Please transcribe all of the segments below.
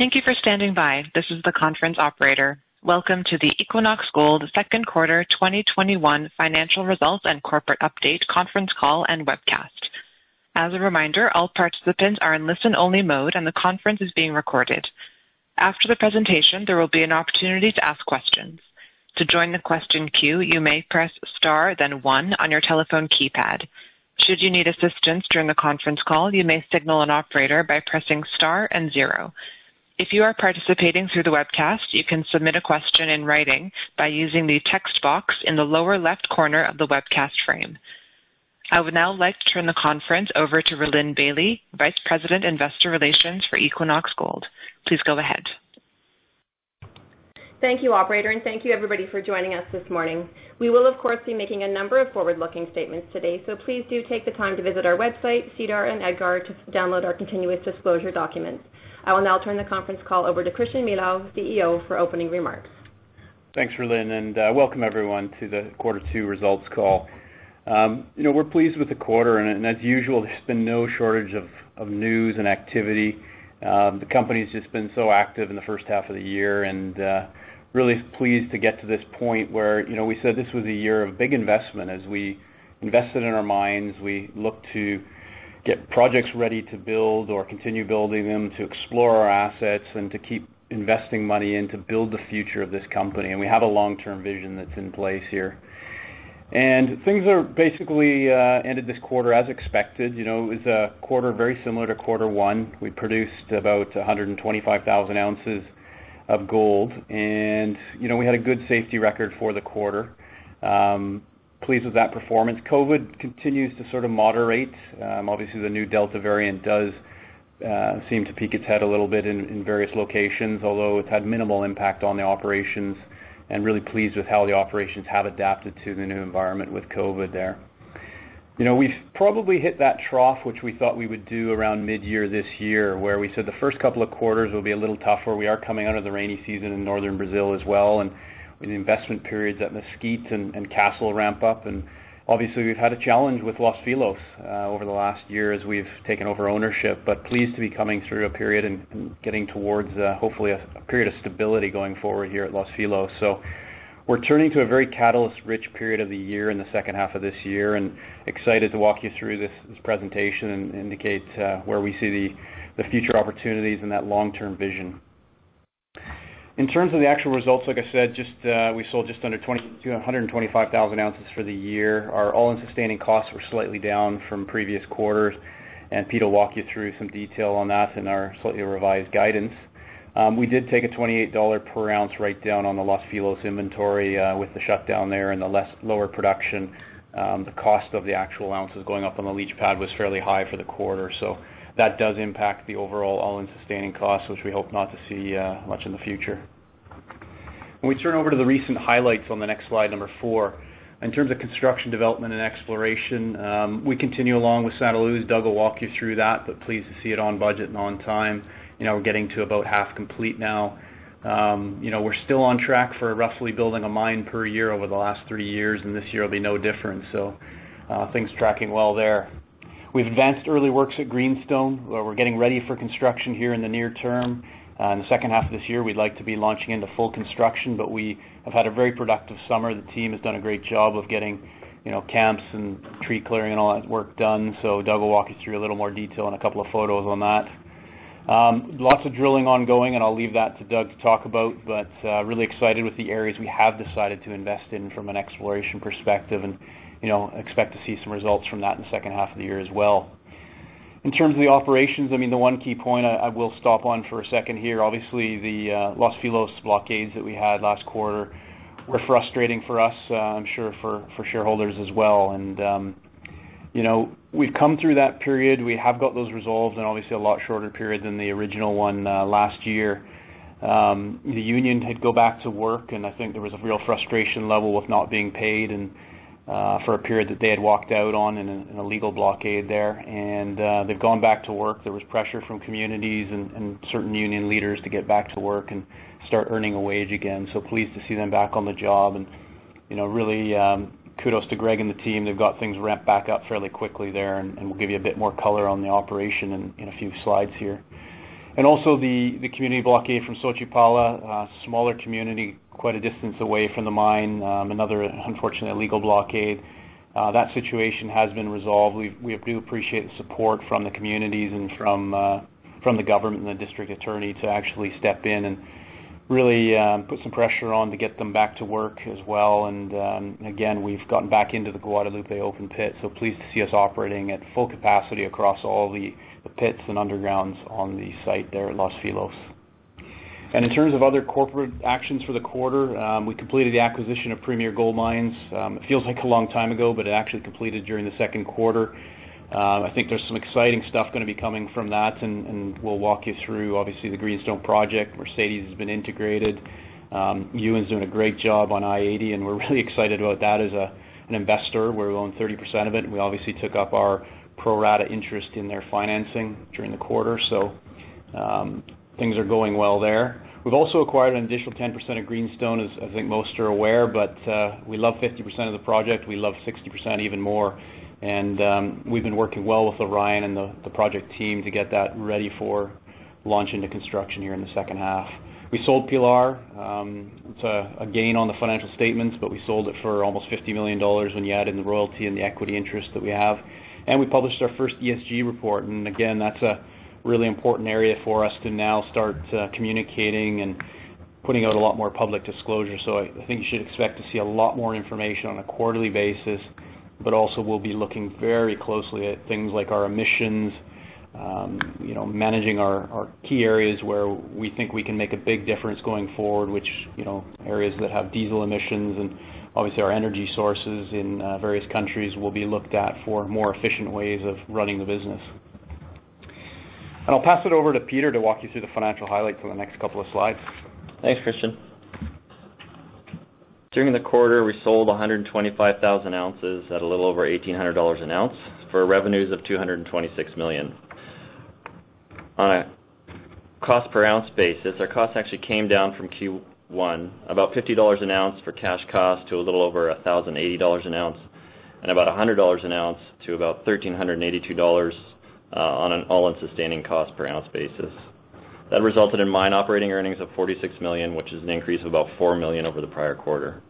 Welcome to the Equinox Gold second quarter 2021 financial results and corporate update conference call and webcast. I would now like to turn the conference over to Rhylin Bailie, Vice President, Investor Relations for Equinox Gold. Please go ahead. Thank you operator, thank you everybody for joining us this morning. We will of course, be making a number of forward-looking statements today, please do take the time to visit our website, SEDAR, and EDGAR to download our continuous disclosure documents. I will now turn the conference call over to Christian Milau, CEO, for opening remarks. Thanks, Rhylin, and welcome everyone to the quarter two results call. We're pleased with the quarter, and as usual, there's been no shortage of news and activity. The company's just been so active in the first half of the year, and really pleased to get to this point where we said this was a year of big investment as we invested in our mines, we look to get projects ready to build or continue building them, to explore our assets, and to keep investing money in to build the future of this company. We have a long-term vision that's in place here. Things are basically ended this quarter as expected. It was a quarter very similar to quarter one. We produced about 125,000 ounces of gold, and we had a good safety record for the quarter. Pleased with that performance. COVID continues to sort of moderate. Obviously, the new Delta variant does seem to peek its head a little bit in various locations, although it's had minimal impact on the operations, and really pleased with how the operations have adapted to the new environment with COVID there. We've probably hit that trough, which we thought we would do around mid-year this year, where we said the first couple of quarters will be a little tough where we are coming out of the rainy season in Northern Brazil as well, and the investment periods at Mesquite and Castle ramp up. Obviously, we've had a challenge with Los Filos over the last year as we've taken over ownership. Pleased to be coming through a period and getting towards hopefully a period of stability going forward here at Los Filos. We're turning to a very catalyst-rich period of the year in the second half of this year, and excited to walk you through this presentation and indicate where we see the future opportunities and that long-term vision. In terms of the actual results, like I said, we sold just under 125,000 ounces for the year. Our all-in sustaining costs were slightly down from previous quarters, and Pete will walk you through some detail on that and our slightly revised guidance. We did take a $28 per ounce write-down on the Los Filos inventory with the shutdown there and the lower production. The cost of the actual ounces going up on the leach pad was fairly high for the quarter. That does impact the overall all-in sustaining costs, which we hope not to see much in the future. We turn over to the recent highlights on the next slide, number four, in terms of construction development and exploration, we continue along with Santa Luz. Doug will walk you through that, pleased to see it on budget and on time. We're getting to about half complete now. We're still on track for roughly building a mine per year over the last three years, this year will be no different. Things tracking well there. We've advanced early works at Greenstone where we're getting ready for construction here in the near term. In the second half of this year, we'd like to be launching into full construction, we have had a very productive summer. The team has done a great job of getting camps and tree clearing and all that work done. Doug will walk you through a little more detail and a couple of photos on that. Lots of drilling ongoing, and I'll leave that to Doug to talk about, but really excited with the areas we have decided to invest in from an exploration perspective and expect to see some results from that in the second half of the year as well. In terms of the operations, the one key point I will stop on for a second here. Obviously, the Los Filos blockades that we had last quarter were frustrating for us, I'm sure for shareholders as well. We've come through that period. We have got those resolved and obviously a lot shorter period than the original one last year. The union did go back to work, and I think there was a real frustration level with not being paid and for a period that they had walked out on in a legal blockade there. They've gone back to work. There was pressure from communities and certain union leaders to get back to work and start earning a wage again. Pleased to see them back on the job and really kudos to Greg and the team. They've got things ramped back up fairly quickly there, and we'll give you a bit more color on the operation in a few slides here. Also the community blockade from Xochipala, a smaller community, quite a distance away from the mine. Another unfortunate legal blockade. That situation has been resolved. We do appreciate the support from the communities and from the government and the district attorney to actually step in and really put some pressure on to get them back to work as well. Again, we've gotten back into the Guadalupe open pit, so pleased to see us operating at full capacity across all the pits and undergrounds on the site there at Los Filos. In terms of other corporate actions for the quarter, we completed the acquisition of Premier Gold Mines. It feels like a long time ago, but it actually completed during the second quarter. I think there's some exciting stuff going to be coming from that, and we'll walk you through obviously the Greenstone project. Mercedes has been integrated. Ewan's doing a great job on i-80, and we're really excited about that as an investor. We own 30% of it, and we obviously took up our pro rata interest in their financing during the quarter. Things are going well there. We've also acquired an additional 10% of Greenstone, as I think most are aware, but we love 50% of the project, we love 60% even more. We've been working well with Orion and the project team to get that ready for launch into construction here in the second half. We sold Pilar. It's a gain on the financial statements, but we sold it for almost $50 million when you add in the royalty and the equity interest that we have. We published our first ESG report, and again, that's a really important area for us to now start communicating and putting out a lot more public disclosure. I think you should expect to see a lot more information on a quarterly basis, but also we'll be looking very closely at things like our emissions, managing our key areas where we think we can make a big difference going forward, which areas that have diesel emissions and obviously our energy sources in various countries will be looked at for more efficient ways of running the business. I'll pass it over to Peter to walk you through the financial highlights on the next couple of slides. Thanks, Christian. During the quarter, we sold 125,000 ounces at a little over $1,800 an ounce for revenues of $226 million. On a cost per ounce basis, our cost actually came down from Q1, about $50 an ounce for cash cost to a little over $1,080 an ounce and about $100 an ounce to about $1,382 on an all-in sustaining cost per ounce basis. That resulted in mine operating earnings of $46 million, which is an increase of about $4 million over the prior quarter.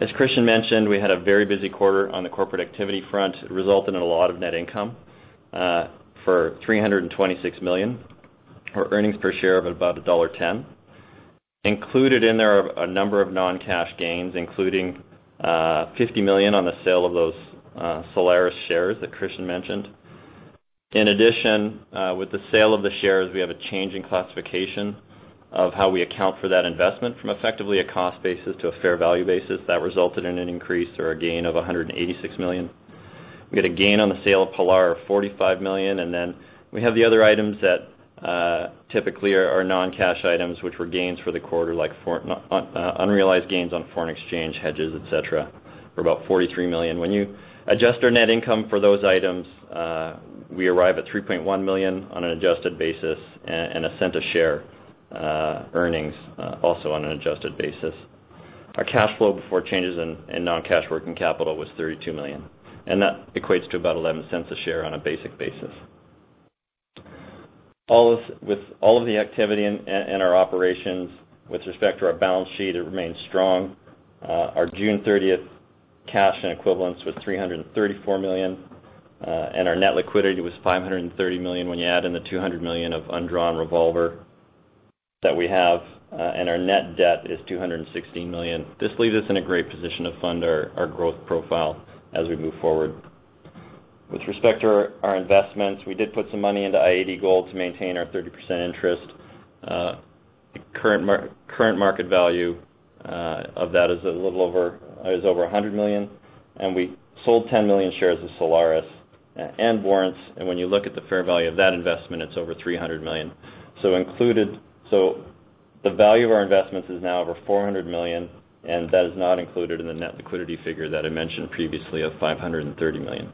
As Christian mentioned, we had a very busy quarter on the corporate activity front. It resulted in a lot of net income for $326 million, or earnings per share of about $1.10. Included in there are a number of non-cash gains, including $50 million on the sale of those Solaris shares that Christian mentioned. In addition, with the sale of the shares, we have a change in classification of how we account for that investment from effectively a cost basis to a fair value basis that resulted in an increase or a gain of $186 million. We had a gain on the sale of Pilar of $45 million. Then we have the other items that typically are non-cash items, which were gains for the quarter, like unrealized gains on foreign exchange hedges, et cetera, for about $43 million. When you adjust our net income for those items, we arrive at $3.1 million on an adjusted basis and $0.01 a share earnings, also on an adjusted basis. Our cash flow before changes in non-cash working capital was $32 million. That equates to about $0.11 a share on a basic basis. With all of the activity in our operations with respect to our balance sheet, it remains strong. Our June 30th cash and equivalents was $334 million, and our net liquidity was $530 million, when you add in the $200 million of undrawn revolver that we have, and our net debt is $216 million. This leaves us in a great position to fund our growth profile as we move forward. With respect to our investments, we did put some money into i-80 Gold to maintain our 30% interest. The current market value of that is a little over $100 million, and we sold 10 million shares of Solaris and warrants, and when you look at the fair value of that investment, it's over $300 million. The value of our investments is now over $400 million, and that is not included in the net liquidity figure that I mentioned previously of $530 million.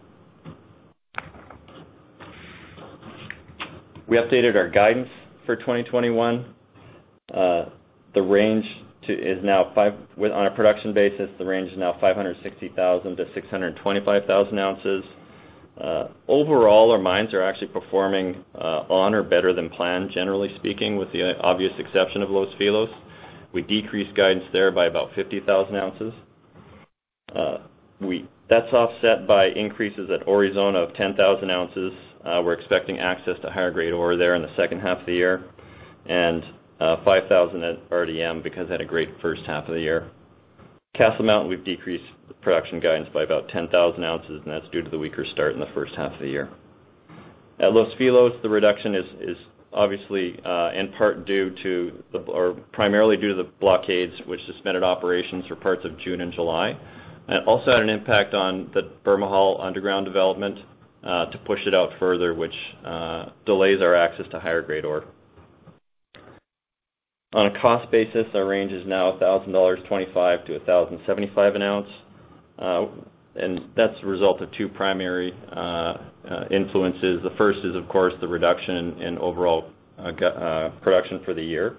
We updated our guidance for 2021. On a production basis, the range is now 560,000-625,000 ounces. Overall, our mines are actually performing on or better than planned, generally speaking, with the obvious exception of Los Filos. We decreased guidance there by about 50,000 ounces. That's offset by increases at Aurizona of 10,000 ounces. We're expecting access to higher grade ore there in the second half of the year, and 5,000 at RDM because it had a great first half of the year. Castle Mountain, we've decreased the production guidance by about 10,000 ounces, and that's due to the weaker start in the first half of the year. At Los Filos, the reduction is obviously in part due to, or primarily due to the blockades which suspended operations for parts of June and July. It also had an impact on the Bermejal underground development, to push it out further, which delays our access to higher grade ore. On a cost basis, our range is now $1,025-$1,075 an ounce. That's the result of two primary influences. The first is, of course, the reduction in overall production for the year.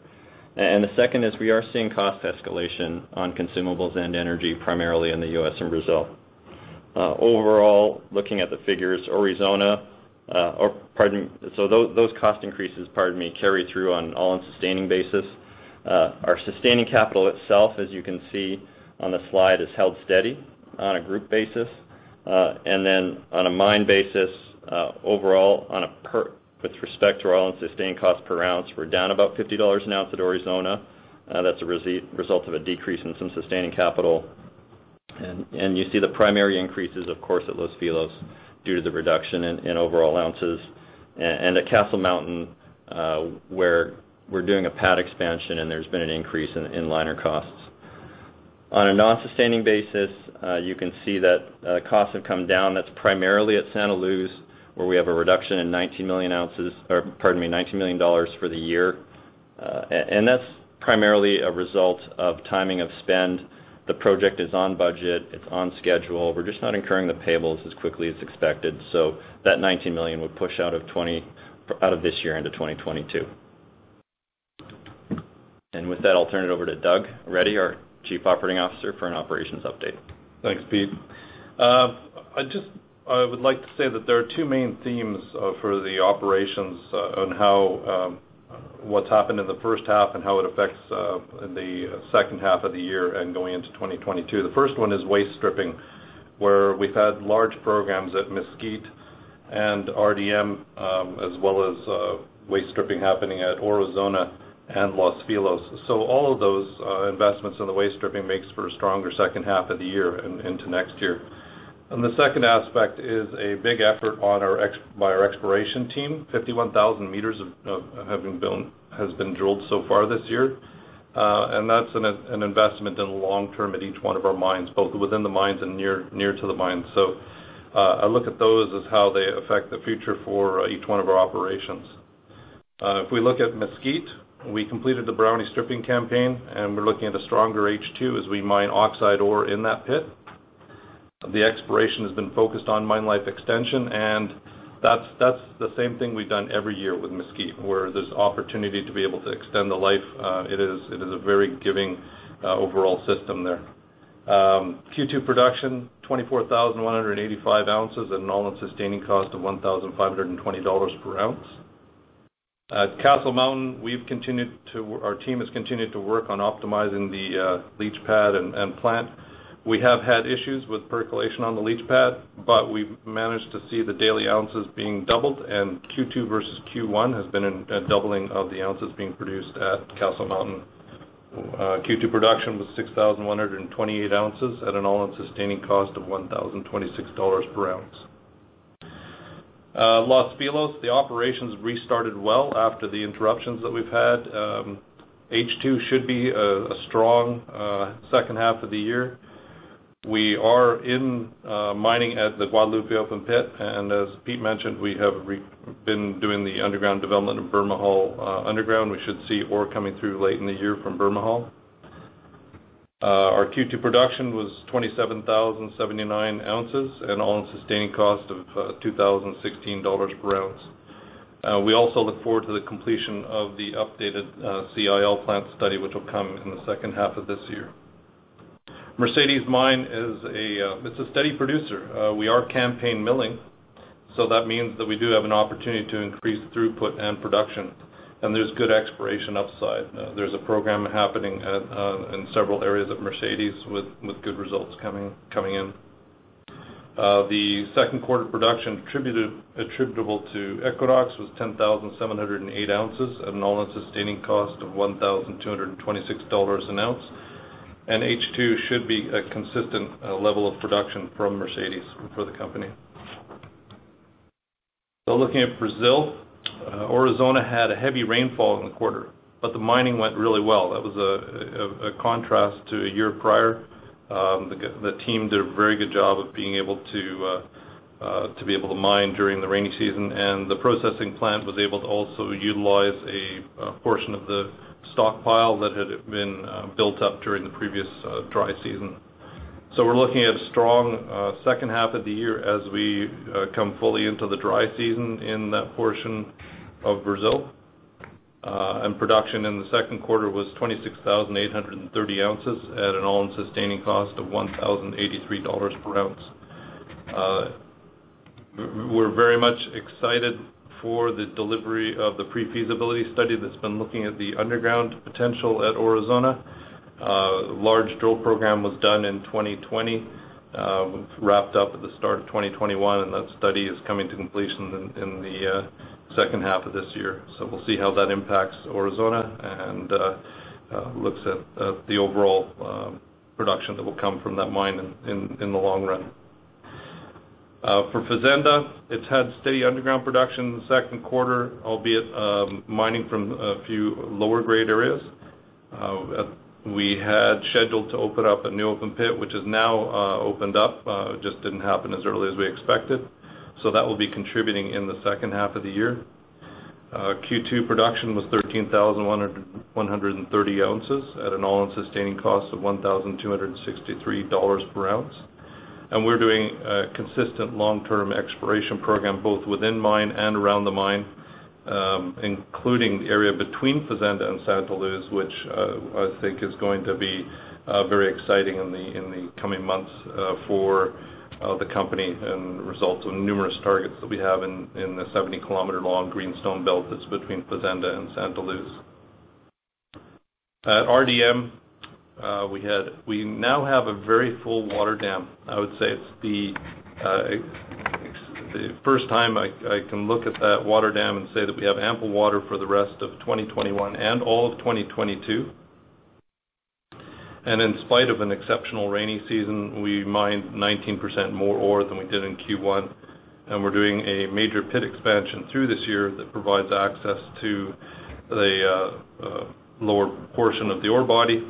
The second is we are seeing cost escalation on consumables and energy, primarily in the U.S. and Brazil. Overall, looking at the figures, those cost increases carry through on all-in sustaining basis. Our sustaining capital itself, as you can see on the slide, has held steady on a group basis. On a mine basis, overall with respect to our all-in sustaining cost per ounce, we're down about $50 an ounce at Aurizona. That's a result of a decrease in some sustaining capital. You see the primary increases, of course, at Los Filos due to the reduction in overall ounces. At Castle Mountain, where we're doing a pad expansion and there's been an increase in liner costs. On a non-sustaining basis, you can see that costs have come down. That's primarily at Santa Luz, where we have a reduction in 19 million ounces, or pardon me, $19 million for the year. That's primarily a result of timing of spend. The project is on budget, it's on schedule. We're just not incurring the payables as quickly as expected. That $19 million would push out of this year into 2022. With that, I'll turn it over to Doug Reddy, our Chief Operating Officer, for an operations update. Thanks, Pete. I would like to say that there are two main themes for the operations on what's happened in the first half and how it affects the second half of the year and going into 2022. The first one is waste stripping, where we've had large programs at Mesquite and RDM, as well as waste stripping happening at Aurizona and Los Filos. All of those investments in the waste stripping makes for a stronger second half of the year and into next year. The second aspect is a big effort by our exploration team. 51,000 meters has been drilled so far this year. That's an investment in the long term at each one of our mines, both within the mines and near to the mines. I look at those as how they affect the future for each one of our operations. If we look at Mesquite, we completed the Brownie stripping campaign, and we're looking at a stronger H2 as we mine oxide ore in that pit. The exploration has been focused on mine life extension, and that's the same thing we've done every year with Mesquite, where there's opportunity to be able to extend the life. It is a very giving overall system there. Q2 production, 24,185 ounces at an all-in sustaining cost of $1,520 per ounce. At Castle Mountain, our team has continued to work on optimizing the leach pad and plant. We have had issues with percolation on the leach pad, but we've managed to see the daily ounces being doubled, and Q2 versus Q1 has been a doubling of the ounces being produced at Castle Mountain. Q2 production was 6,128 ounces at an all-in sustaining cost of $1,026 per ounce. Los Filos, the operations restarted well after the interruptions that we’ve had. H2 should be a strong second half of the year. We are in mining at the Guadalupe open pit, and as Pete mentioned, we have been doing the underground development of Bermejal underground. We should see ore coming through late in the year from Bermejal. Our Q2 production was 27,079 ounces and all-in sustaining cost of $2,016 per ounce. We also look forward to the completion of the updated CIL plant study, which will come in the second half of this year. Mercedes Mine, it’s a steady producer. We are campaign milling, that means that we do have an opportunity to increase throughput and production. There’s good exploration upside. There’s a program happening in several areas of Mercedes with good results coming in. The second quarter production attributable to Equinox was 10,708 ounces at an all-in sustaining cost of $1,226 an ounce. H2 should be a consistent level of production from Mercedes for the company. Looking at Brazil, Aurizona had a heavy rainfall in the quarter, but the mining went really well. That was a contrast to a year prior. The team did a very good job of being able to mine during the rainy season, and the processing plant was able to also utilize a portion of the stockpile that had been built up during the previous dry season. We're looking at a strong second half of the year as we come fully into the dry season in that portion of Brazil. Production in the second quarter was 26,830 ounces at an all-in sustaining cost of $1,083 per ounce. We're very much excited for the delivery of the pre-feasibility study that's been looking at the underground potential at Aurizona. Large drill program was done in 2020, wrapped up at the start of 2021. That study is coming to completion in the second half of this year. We'll see how that impacts Aurizona and looks at the overall production that will come from that mine in the long run. For Fazenda, it's had steady underground production in the second quarter, albeit mining from a few lower grade areas. We had scheduled to open up a new open pit, which is now opened up, just didn't happen as early as we expected. That will be contributing in the second half of the year. Q2 production was 13,130 ounces at an all-in sustaining cost of $1,263 per ounce. We're doing a consistent long-term exploration program, both within mine and around the mine, including the area between Fazenda and Santa Luz, which I think is going to be very exciting in the coming months for the company and the results of numerous targets that we have in the 70-km long greenstone belt that's between Fazenda and Santa Luz. At RDM, we now have a very full water dam. I would say it's the first time I can look at that water dam and say that we have ample water for the rest of 2021 and all of 2022. In spite of an exceptional rainy season, we mined 19% more ore than we did in Q1, we're doing a major pit expansion through this year that provides access to the lower portion of the ore body.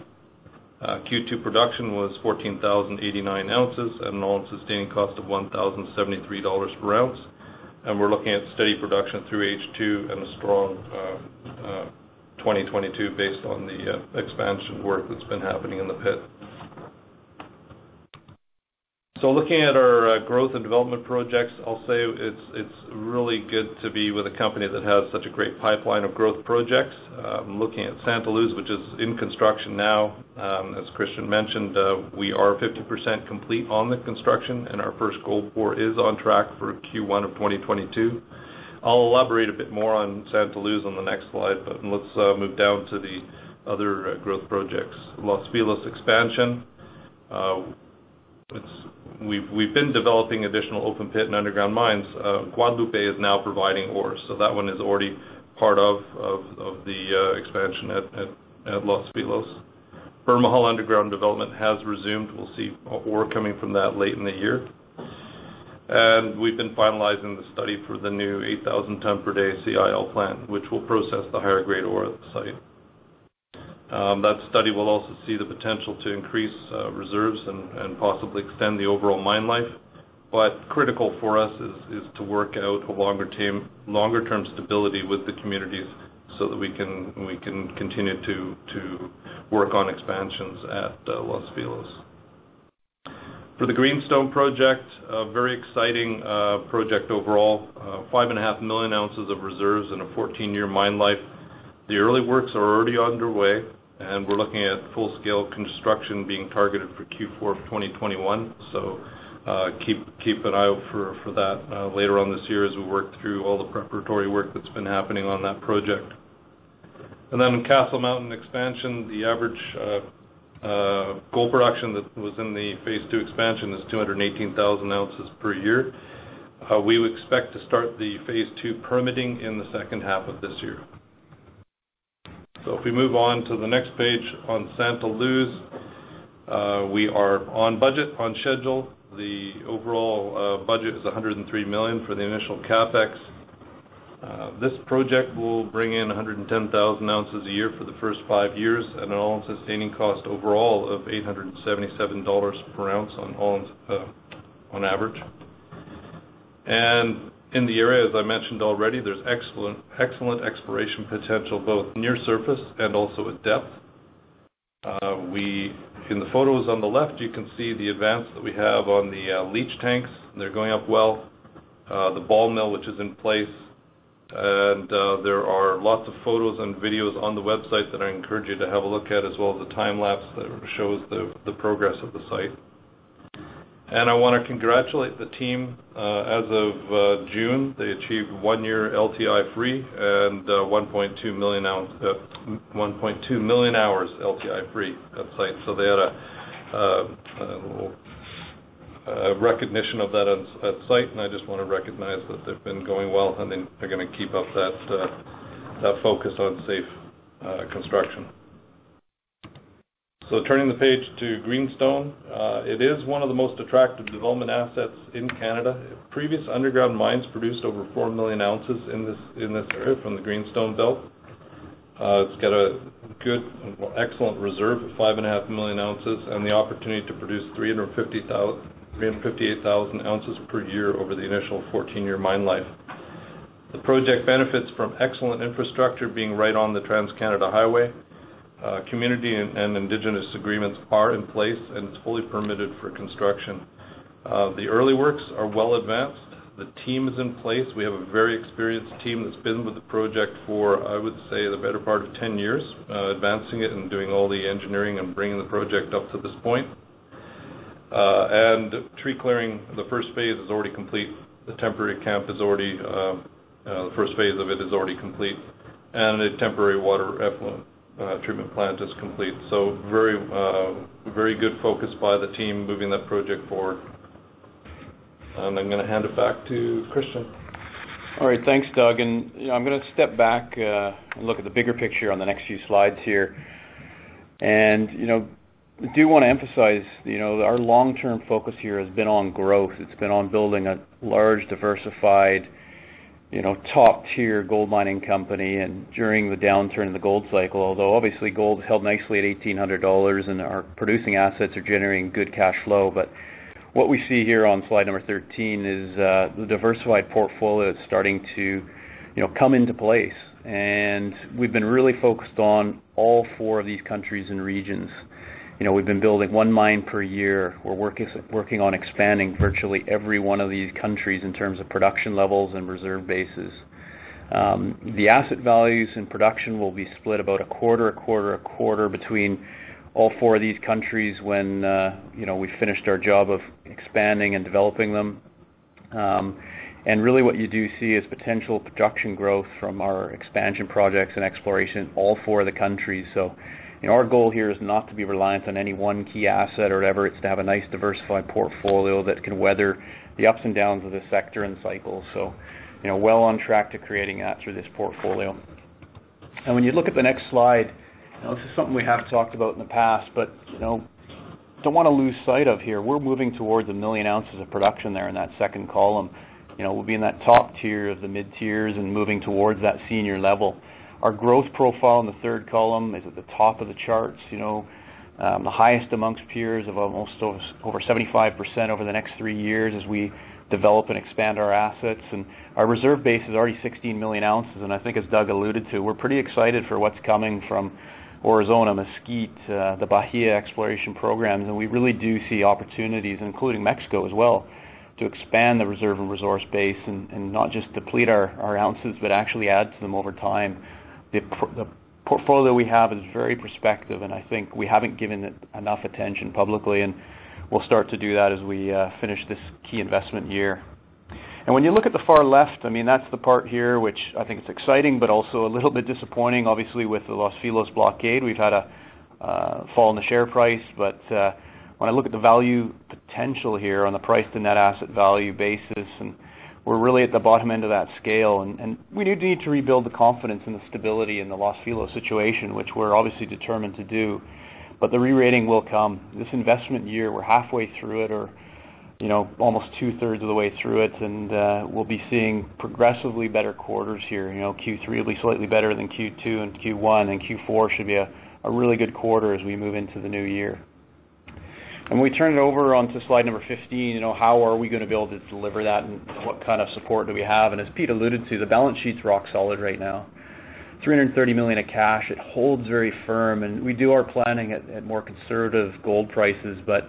Q2 production was 14,089 ounces at an all-in sustaining cost of $1,073 per ounce. We're looking at steady production through H2 and a strong 2022 based on the expansion work that's been happening in the pit. Looking at our growth and development projects, I'll say it's really good to be with a company that has such a great pipeline of growth projects. Looking at Santa Luz, which is in construction now, as Christian mentioned, we are 50% complete on the construction, and our first gold pour is on track for Q1 of 2022. I'll elaborate a bit more on Santa Luz on the next slide, but let's move down to the other growth projects. Los Filos expansion, we've been developing additional open pit and underground mines. Guadalupe is now providing ore, so that one is already part of the expansion at Los Filos. Bermejal underground development has resumed. We'll see ore coming from that late in the year. We've been finalizing the study for the new 8,000 ton per day CIL plant, which will process the higher-grade ore at the site. That study will also see the potential to increase reserves and possibly extend the overall mine life. Critical for us is to work out a longer-term stability with the communities so that we can continue to work on expansions at Los Filos. For the Greenstone project, a very exciting project overall. 5.5 million ounces of reserves and a 14-year mine life. The early works are already underway, we're looking at full-scale construction being targeted for Q4 of 2021. Keep an eye out for that later on this year as we work through all the preparatory work that's been happening on that project. Castle Mountain expansion, the average gold production that was in the Phase 2 expansion is 218,000 ounces per year. We would expect to start the Phase 2 permitting in the second half of this year. If we move on to the next page on Santa Luz, we are on budget, on schedule. The overall budget is $103 million for the initial CapEx. This project will bring in 110,000 ounces a year for the first five years, at an all-in sustaining cost overall of $877 per ounce on average. In the area, as I mentioned already, there's excellent exploration potential, both near surface and also at depth. In the photos on the left, you can see the advance that we have on the leach tanks, and they're going up well. The ball mill, which is in place. There are lots of photos and videos on the website that I encourage you to have a look at, as well as a time lapse that shows the progress of the site. I want to congratulate the team, as of June, they achieved one year LTI-free and 1.2 million hours LTI-free at site. They had a recognition of that at site, and I just want to recognize that they've been going well, and they're going to keep up that focus on safe construction. Turning the page to Greenstone. It is one of the most attractive development assets in Canada. Previous underground mines produced over 4 million ounces in this area from the Greenstone belt. It's got a good, excellent reserve of 5.5 million ounces and the opportunity to produce 358,000 ounces per year over the initial 14-year mine life. The project benefits from excellent infrastructure being right on the Trans-Canada Highway. Community and Indigenous agreements are in place, and it's fully permitted for construction. The early works are well advanced. The team is in place. We have a very experienced team that's been with the project for, I would say, the better part of 10 years, advancing it and doing all the engineering and bringing the project up to this point. Tree clearing, the first phase is already complete. The temporary camp, the first phase of it is already complete. A temporary water effluent treatment plant is complete. Very good focus by the team moving that project forward. I'm going to hand it back to Christian. All right. Thanks, Doug Reddy. I'm going to step back and look at the bigger picture on the next few slides here. I do want to emphasize our long-term focus here has been on growth. It's been on building a large, diversified, top-tier gold mining company. During the downturn of the gold cycle, although obviously gold held nicely at $1,800 and our producing assets are generating good cash flow, what we see here on slide number 13 is the diversified portfolio that's starting to come into place. We've been really focused on all four of these countries and regions. We've been building one mine per year. We're working on expanding virtually every one of these countries in terms of production levels and reserve bases. The asset values and production will be split about a quarter, a quarter, a quarter between all four of these countries when we've finished our job of expanding and developing them. Really what you do see is potential production growth from our expansion projects and exploration in all four of the countries. Our goal here is not to be reliant on any one key asset or whatever. It's to have a nice, diversified portfolio that can weather the ups and downs of the sector and cycle. Well on track to creating that through this portfolio. When you look at the next slide, this is something we have talked about in the past. Don't want to lose sight of here, we're moving towards 1 million ounces of production there in that second column. We'll be in that top tier of the mid-tiers and moving towards that senior level. Our growth profile in the third column is at the top of the charts. The highest amongst peers of almost over 75% over the next three years as we develop and expand our assets. Our reserve base is already 16 million ounces, and I think as Doug alluded to, we're pretty excited for what's coming from Aurizona, Mesquite, the Bahia exploration programs. We really do see opportunities, including Mexico as well, to expand the reserve and resource base and not just deplete our ounces, but actually add to them over time. The portfolio we have is very prospective, and I think we haven't given it enough attention publicly, and we'll start to do that as we finish this key investment year. When you look at the far left, that's the part here which I think is exciting but also a little bit disappointing. Obviously, with the Los Filos blockade, we've had a fall in the share price. When I look at the value potential here on the price-to-net asset value basis, and we're really at the bottom end of that scale, and we do need to rebuild the confidence and the stability in the Los Filos situation, which we're obviously determined to do. The re-rating will come. This investment year, we're halfway through it, or almost 2/3 of the way through it, and we'll be seeing progressively better quarters here. Q3 will be slightly better than Q2 and Q1, and Q4 should be a really good quarter as we move into the new year. When we turn it over onto slide number 15, how are we going to be able to deliver that and what kind of support do we have? As Pete alluded to, the balance sheet's rock solid right now, $330 million of cash. It holds very firm, and we do our planning at more conservative gold prices, but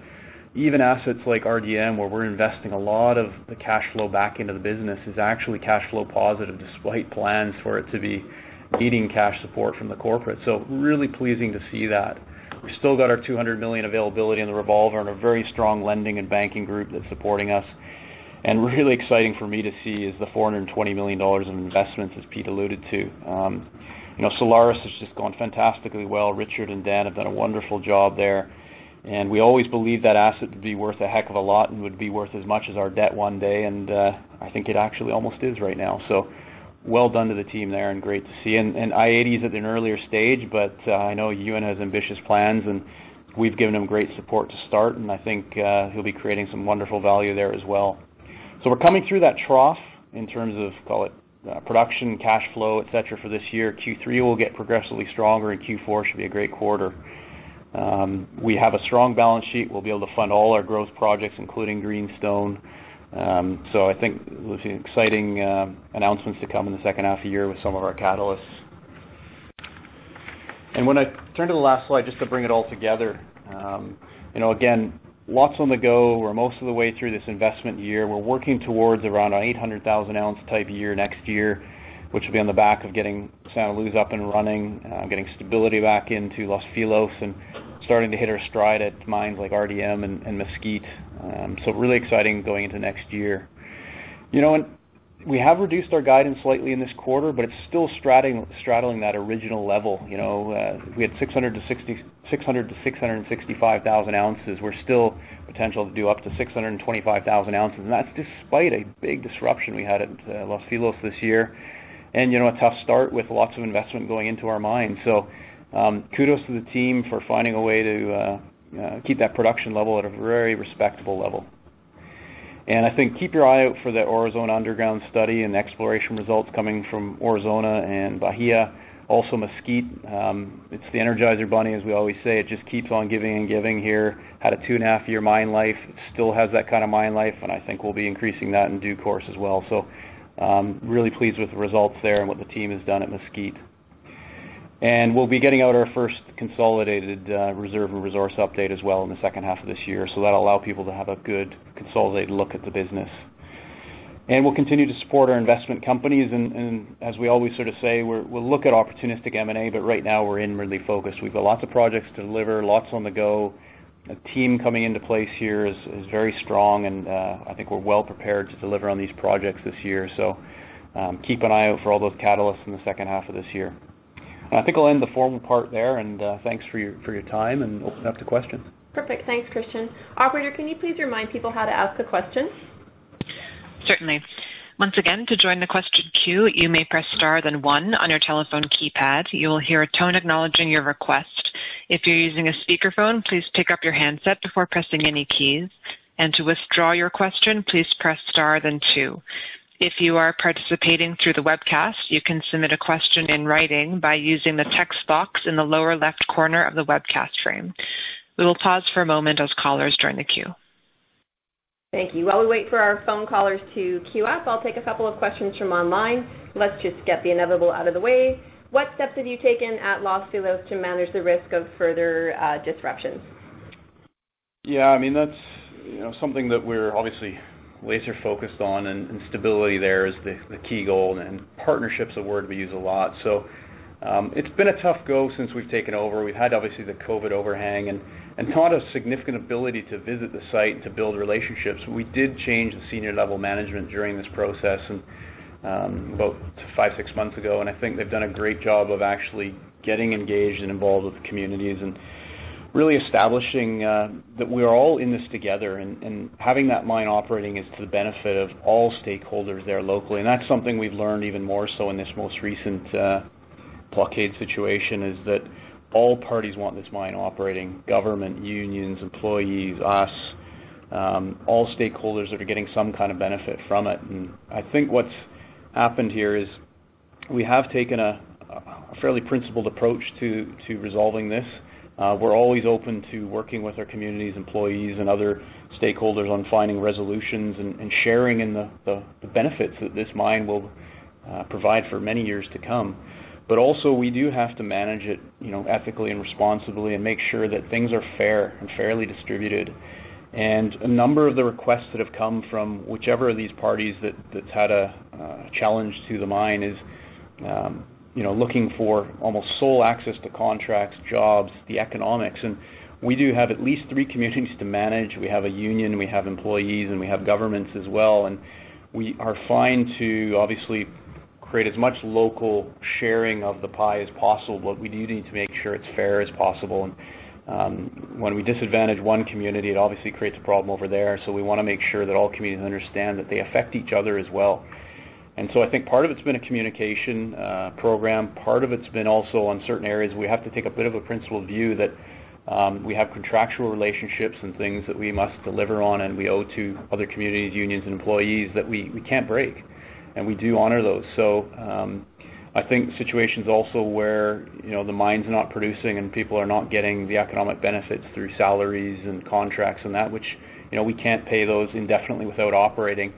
even assets like RDM, where we're investing a lot of the cash flow back into the business, is actually cash flow positive, despite plans for it to be needing cash support from the corporate. So really pleasing to see that. We've still got our $200 million availability in the revolver and a very strong lending and banking group that's supporting us. Really exciting for me to see is the $420 million in investments, as Pete alluded to. Solaris has just gone fantastically well. Richard and Dan have done a wonderful job there. We always believed that asset to be worth a heck of a lot and would be worth as much as our debt one day, and I think it actually almost is right now. Well done to the team there and great to see. i-80 is at an earlier stage, but I know Ewan has ambitious plans, and we've given him great support to start, and I think he'll be creating some wonderful value there as well. We're coming through that trough in terms of, call it production, cash flow, et cetera, for this year. Q3 will get progressively stronger, and Q4 should be a great quarter. We have a strong balance sheet. We'll be able to fund all our growth projects, including Greenstone. I think we'll see exciting announcements to come in the second half of the year with some of our catalysts. When I turn to the last slide, just to bring it all together. Again, lots on the go. We're most of the way through this investment year. We're working towards around an 800,000-ounce type year next year, which will be on the back of getting Santa Luz up and running, getting stability back into Los Filos, and starting to hit our stride at mines like RDM and Mesquite. Really exciting going into next year. We have reduced our guidance slightly in this quarter, it's still straddling that original level. We had 600,000-665,000 ounces. We're still potential to do up to 625,000 ounces, and that's despite a big disruption we had at Los Filos this year and a tough start with lots of investment going into our mine. Kudos to the team for finding a way to keep that production level at a very respectable level. I think keep your eye out for that Aurizona underground study and exploration results coming from Aurizona and Bahia. Also, Mesquite, it's the Energizer Bunny, as we always say. It just keeps on giving and giving here. Had a 2.5-year mine life. It still has that kind of mine life, and I think we'll be increasing that in due course as well. Really pleased with the results there and what the team has done at Mesquite. We'll be getting out our first consolidated reserve and resource update as well in the second half of this year. That'll allow people to have a good consolidated look at the business. We'll continue to support our investment companies. As we always say, we'll look at opportunistic M&A, but right now we're inwardly focused. We've got lots of projects to deliver, lots on the go. The team coming into place here is very strong, and I think we're well prepared to deliver on these projects this year. Keep an eye out for all those catalysts in the second half of this year. I think I'll end the formal part there, and thanks for your time, and open up to questions. Perfect. Thanks, Christian. Operator, can you please remind people how to ask a question? Certainly. Once again, to join the question queue, you may press star, then one on your telephone keypad. You will hear a tone acknowledging your request. If you're using a speakerphone, please pick up your handset before pressing any keys. And to withdraw your question, please press star, then two. If you are participating through the webcast, you can submit a question in writing by using the text box in the lower left corner of the webcast frame. We will pause for a moment as callers join the queue. Thank you. While we wait for our phone callers to queue up, I'll take a couple of questions from online. Let's just get the inevitable out of the way. What steps have you taken at Los Filos to manage the risk of further disruptions? Yeah, that's something that we're obviously laser-focused on, and stability there is the key goal, and partnership's a word we use a lot. It's been a tough go since we've taken over. We've had, obviously, the COVID overhang and not a significant ability to visit the site to build relationships. We did change the senior level management during this process about five to six months ago, and I think they've done a great job of actually getting engaged and involved with the communities and really establishing that we are all in this together, and having that mine operating is to the benefit of all stakeholders there locally. That's something we've learned even more so in this most recent blockade situation is that all parties want this mine operating, government, unions, employees, us, all stakeholders are getting some kind of benefit from it. I think what's happened here is we have taken a fairly principled approach to resolving this. We're always open to working with our communities, employees, and other stakeholders on finding resolutions and sharing in the benefits that this mine will provide for many years to come. Also we do have to manage it ethically and responsibly and make sure that things are fair and fairly distributed. A number of the requests that have come from whichever of these parties that's had a challenge to the mine is looking for almost sole access to contracts, jobs, the economics, and we do have at least three communities to manage. We have a union, we have employees, and we have governments as well. We are fine to obviously create as much local sharing of the pie as possible, but we do need to make sure it's fair as possible, and when we disadvantage one community, it obviously creates a problem over there. We want to make sure that all communities understand that they affect each other as well. I think part of it's been a communication program, part of it's been also on certain areas, we have to take a bit of a principled view that we have contractual relationships and things that we must deliver on, and we owe to other communities, unions, and employees that we can't break, and we do honor those. I think situations also where the mine's not producing and people are not getting the economic benefits through salaries and contracts and that, which we can't pay those indefinitely without operating,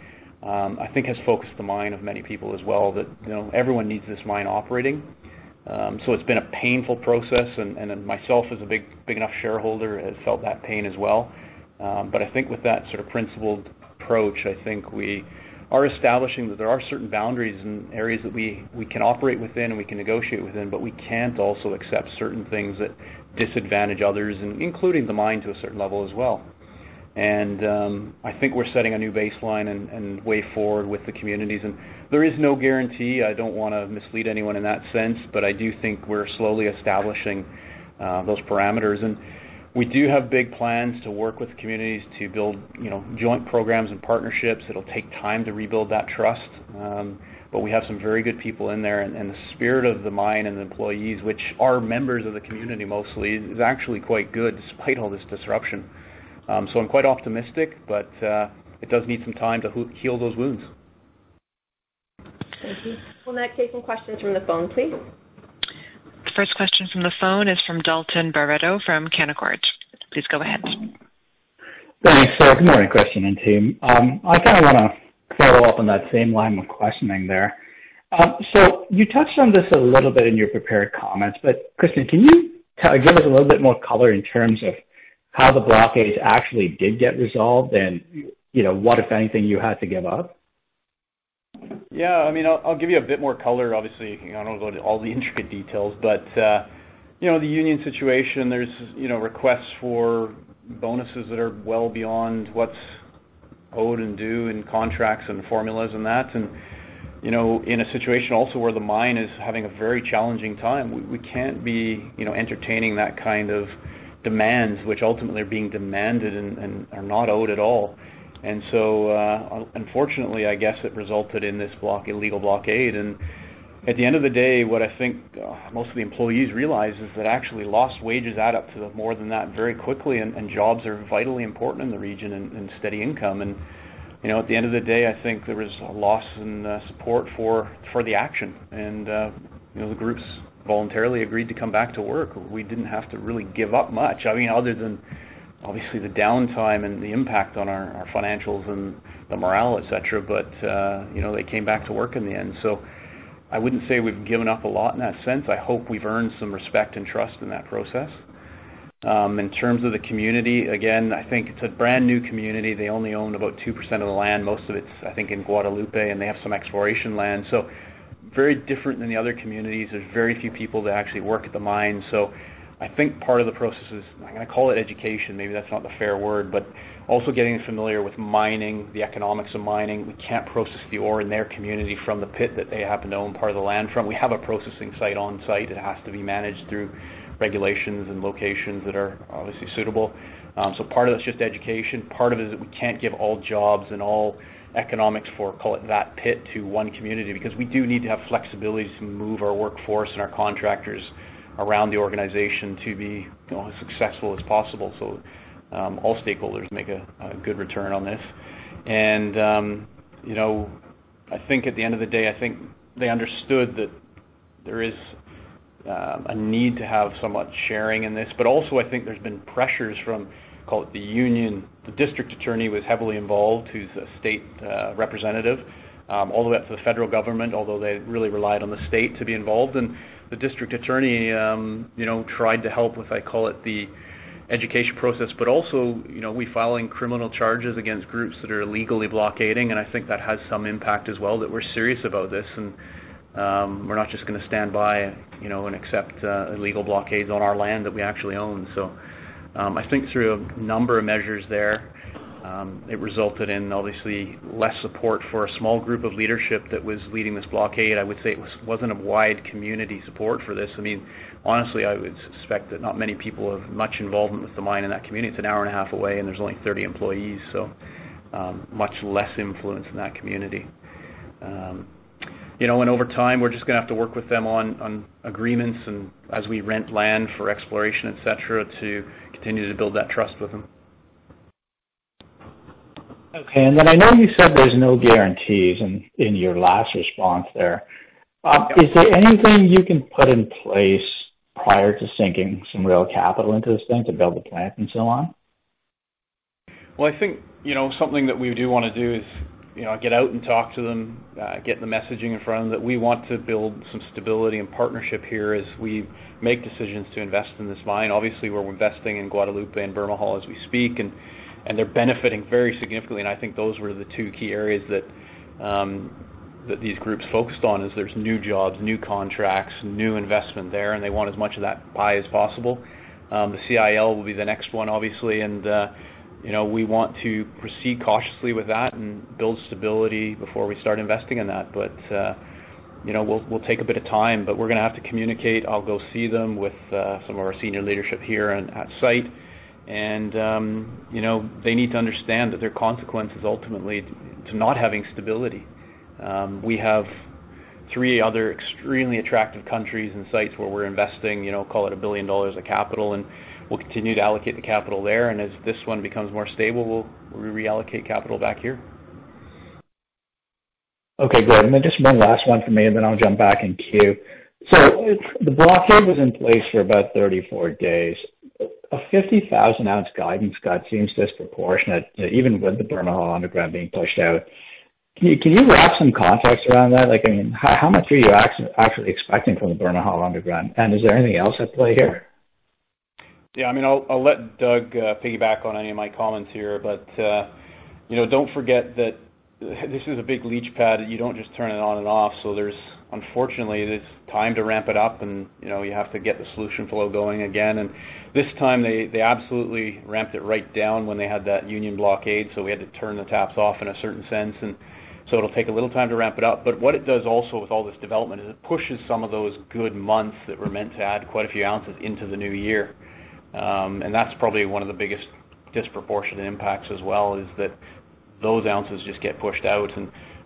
I think has focused the mind of many people as well, that everyone needs this mine operating. It's been a painful process and myself as a big enough shareholder has felt that pain as well. I think with that sort of principled approach, I think we are establishing that there are certain boundaries and areas that we can operate within and we can negotiate within, but we can't also accept certain things that disadvantage others, including the mine to a certain level as well. I think we're setting a new baseline and way forward with the communities, and there is no guarantee, I don't want to mislead anyone in that sense, but I do think we're slowly establishing those parameters. We do have big plans to work with communities to build joint programs and partnerships. It'll take time to rebuild that trust, but we have some very good people in there, and the spirit of the mine and the employees, which are members of the community mostly, is actually quite good despite all this disruption. I'm quite optimistic, but it does need some time to heal those wounds. Thank you. We will next take some questions from the phone, please. First question from the phone is from Dalton Baretto from Canaccord. Please go ahead. Thanks. Good morning, Christian and team. I kind of want to follow up on that same line of questioning there. You touched on this a little bit in your prepared comments, but Christian, can you give us a little bit more color in terms of how the blockade actually did get resolved and what, if anything, you had to give up? Yeah, I'll give you a bit more color. Obviously, I don't go to all the intricate details, the union situation, there's requests for bonuses that are well beyond what's owed and due in contracts and formulas and that. In a situation also where the mine is having a very challenging time, we can't be entertaining that kind of demands, which ultimately are being demanded and are not owed at all. Unfortunately, I guess it resulted in this illegal blockade. At the end of the day, what I think most of the employees realize is that actually lost wages add up to more than that very quickly and jobs are vitally important in the region and steady income. At the end of the day, I think there was a loss in support for the action. The groups voluntarily agreed to come back to work. We didn't have to really give up much. Other than obviously the downtime and the impact on our financials and the morale, et cetera, but they came back to work in the end. I wouldn't say we've given up a lot in that sense. I hope we've earned some respect and trust in that process. In terms of the community, again, I think it's a brand-new community. They only owned about 2% of the land. Most of it's, I think, in Guadalupe, and they have some exploration land. Very different than the other communities. There's very few people that actually work at the mine. I think part of the process is, I'm going to call it education, maybe that's not the fair word, but also getting familiar with mining, the economics of mining. We can't process the ore in their community from the pit that they happen to own part of the land from. We have a processing site on site. It has to be managed through regulations and locations that are obviously suitable. Part of that's just education. Part of it is that we can't give all jobs and all economics for, call it that pit to one community, because we do need to have flexibility to move our workforce and our contractors around the organization to be as successful as possible. All stakeholders make a good return on this. I think at the end of the day, I think they understood that there is a need to have somewhat sharing in this. Also, I think there's been pressures from, call it the union. The district attorney was heavily involved, who's a state representative, all the way up to the federal government, although they really relied on the state to be involved. The district attorney tried to help with, I call it the education process, but also, we filing criminal charges against groups that are illegally blockading, and I think that has some impact as well, that we're serious about this and we're not just going to stand by and accept illegal blockades on our land that we actually own. I think through a number of measures there, it resulted in obviously less support for a small group of leadership that was leading this blockade. I would say it wasn't a wide community support for this. Honestly, I would suspect that not many people have much involvement with the mine in that community. It's an hour and a half away, and there's only 30 employees, so much less influence in that community. Over time, we're just going to have to work with them on agreements and as we rent land for exploration, et cetera, to continue to build that trust with them. Okay. I know you said there's no guarantees in your last response there. Yeah. Is there anything you can put in place prior to sinking some real capital into this thing to build the plant and so on? I think, something that we do want to do is get out and talk to them, get the messaging in front of them, that we want to build some stability and partnership here as we make decisions to invest in this mine. Obviously, we're investing in Guadalupe and Bermejal as we speak, and they're benefiting very significantly and I think those were the two key areas that these groups focused on, is there's new jobs, new contracts, new investment there, and they want as much of that pie as possible. The CIL will be the next one, obviously, and we want to proceed cautiously with that and build stability before we start investing in that. We'll take a bit of time, but we're going to have to communicate. I'll go see them with some of our senior leadership here and at site. They need to understand that their consequence is ultimately to not having stability. We have three other extremely attractive countries and sites where we're investing, call it $1 billion of capital, and we'll continue to allocate the capital there, and as this one becomes more stable, we'll reallocate capital back here. Good. Just one last one from me, then I'll jump back in queue. The blockade was in place for about 34 days. A 50,000-ounce guidance cut seems disproportionate, even with the Bermejal underground being pushed out. Can you wrap some context around that? How much are you actually expecting from the Bermejal underground, and is there anything else at play here? I'll let Doug piggyback on any of my comments here, but don't forget that this is a big leach pad. You don't just turn it on and off. There's, unfortunately, this time to ramp it up and you have to get the solution flow going again. This time, they absolutely ramped it right down when they had that union blockade, we had to turn the taps off in a certain sense, it'll take a little time to ramp it up. What it does also with all this development is it pushes some of those good months that were meant to add quite a few ounces into the new year. That's probably one of the biggest disproportionate impacts as well, is that those ounces just get pushed out.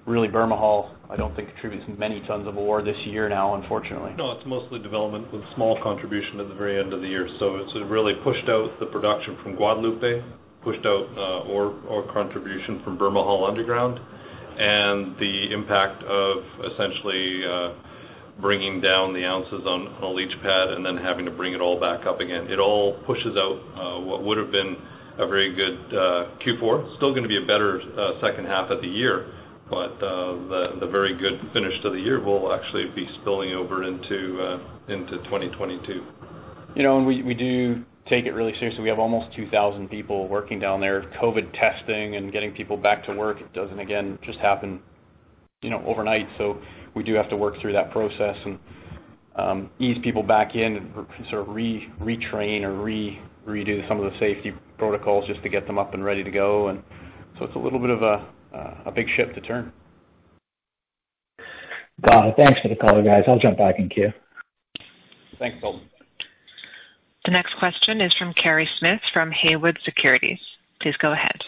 Really, Bermejal, I don't think contributes many tons of ore this year now, unfortunately. No, it's mostly development with small contribution at the very end of the year. It sort of really pushed out the production from Guadalupe, pushed out ore contribution from Bermejal underground, and the impact of essentially bringing down the ounces on a leach pad and then having to bring it all back up again. It all pushes out what would've been a very good Q4. Still going to be a better second half of the year, but the very good finish to the year will actually be spilling over into 2022. We do take it really seriously. We have almost 2,000 people working down there. COVID testing and getting people back to work, it doesn't, again, just happen overnight. We do have to work through that process and ease people back in and sort of retrain or redo some of the safety protocols just to get them up and ready to go. It's a little bit of a big ship to turn. Got it. Thanks for the color, guys. I'll jump back in queue. Thanks, Dalton. The next question is from Kerry Smith from Haywood Securities. Please go ahead.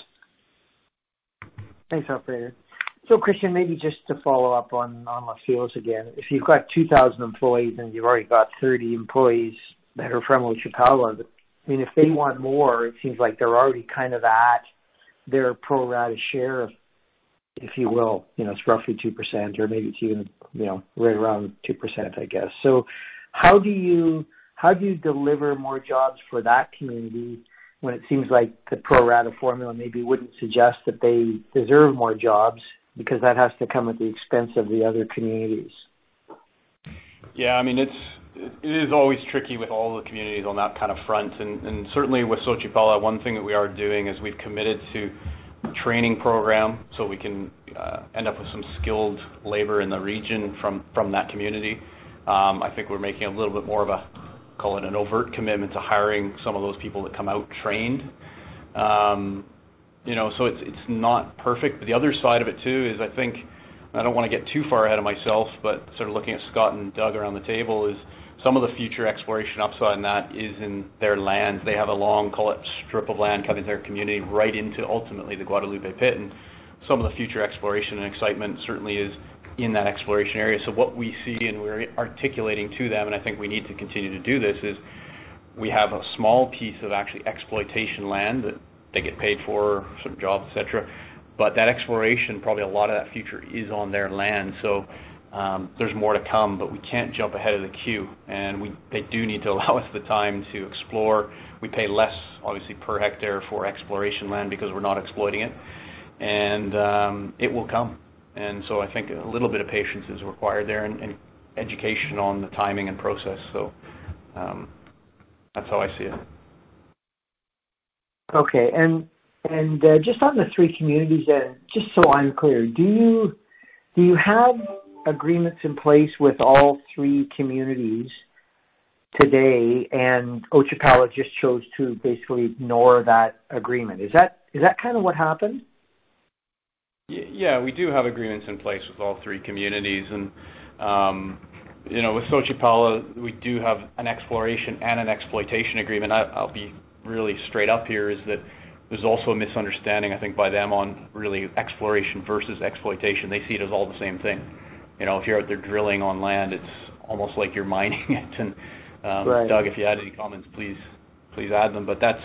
Thanks, operator. Christian, maybe just to follow up on Los Filos again. If you've got 2,000 employees and you've already got 30 employees that are from Xochipala, if they want more, it seems like they're already kind of at their pro rata share, if you will. It's roughly 2%, or maybe it's even right around 2%, I guess. How do you deliver more jobs for that community when it seems like the pro rata formula maybe wouldn't suggest that they deserve more jobs, because that has to come at the expense of the other communities? Yeah, it is always tricky with all the communities on that kind of front. Certainly with Xochipala, one thing that we are doing is we've committed to a training program so we can end up with some skilled labor in the region from that community. I think we're making a little bit more of a, call it an overt commitment to hiring some of those people that come out trained. It's not perfect. The other side of it too is I think, and I don't want to get too far ahead of myself, but sort of looking at Scott and Doug around the table is some of the future exploration upside in that is in their land. They have a long, call it strip of land covering their community right into ultimately the Guadalupe pit, Some of the future exploration and excitement certainly is in that exploration area. What we see and we're articulating to them, I think we need to continue to do this, is we have a small piece of actually exploitation land that they get paid for, some jobs, et cetera, That exploration, probably a lot of that future is on their land. There's more to come, We can't jump ahead of the queue, They do need to allow us the time to explore. We pay less, obviously, per hectare for exploration land because we're not exploiting it, It will come. I think a little bit of patience is required there and education on the timing and process. That's how I see it. Okay. Just on the three communities, just so I'm clear, do you have agreements in place with all three communities today and Xochipala just chose to basically ignore that agreement? Is that kind of what happened? Yeah. With Xochipala, we do have an exploration and an exploitation agreement. I'll be really straight up here, is that there's also a misunderstanding, I think, by them on really exploration versus exploitation. They see it as all the same thing. If you're out there drilling on land, it's almost like you're mining it. Right. Doug, if you had any comments, please add them. That's,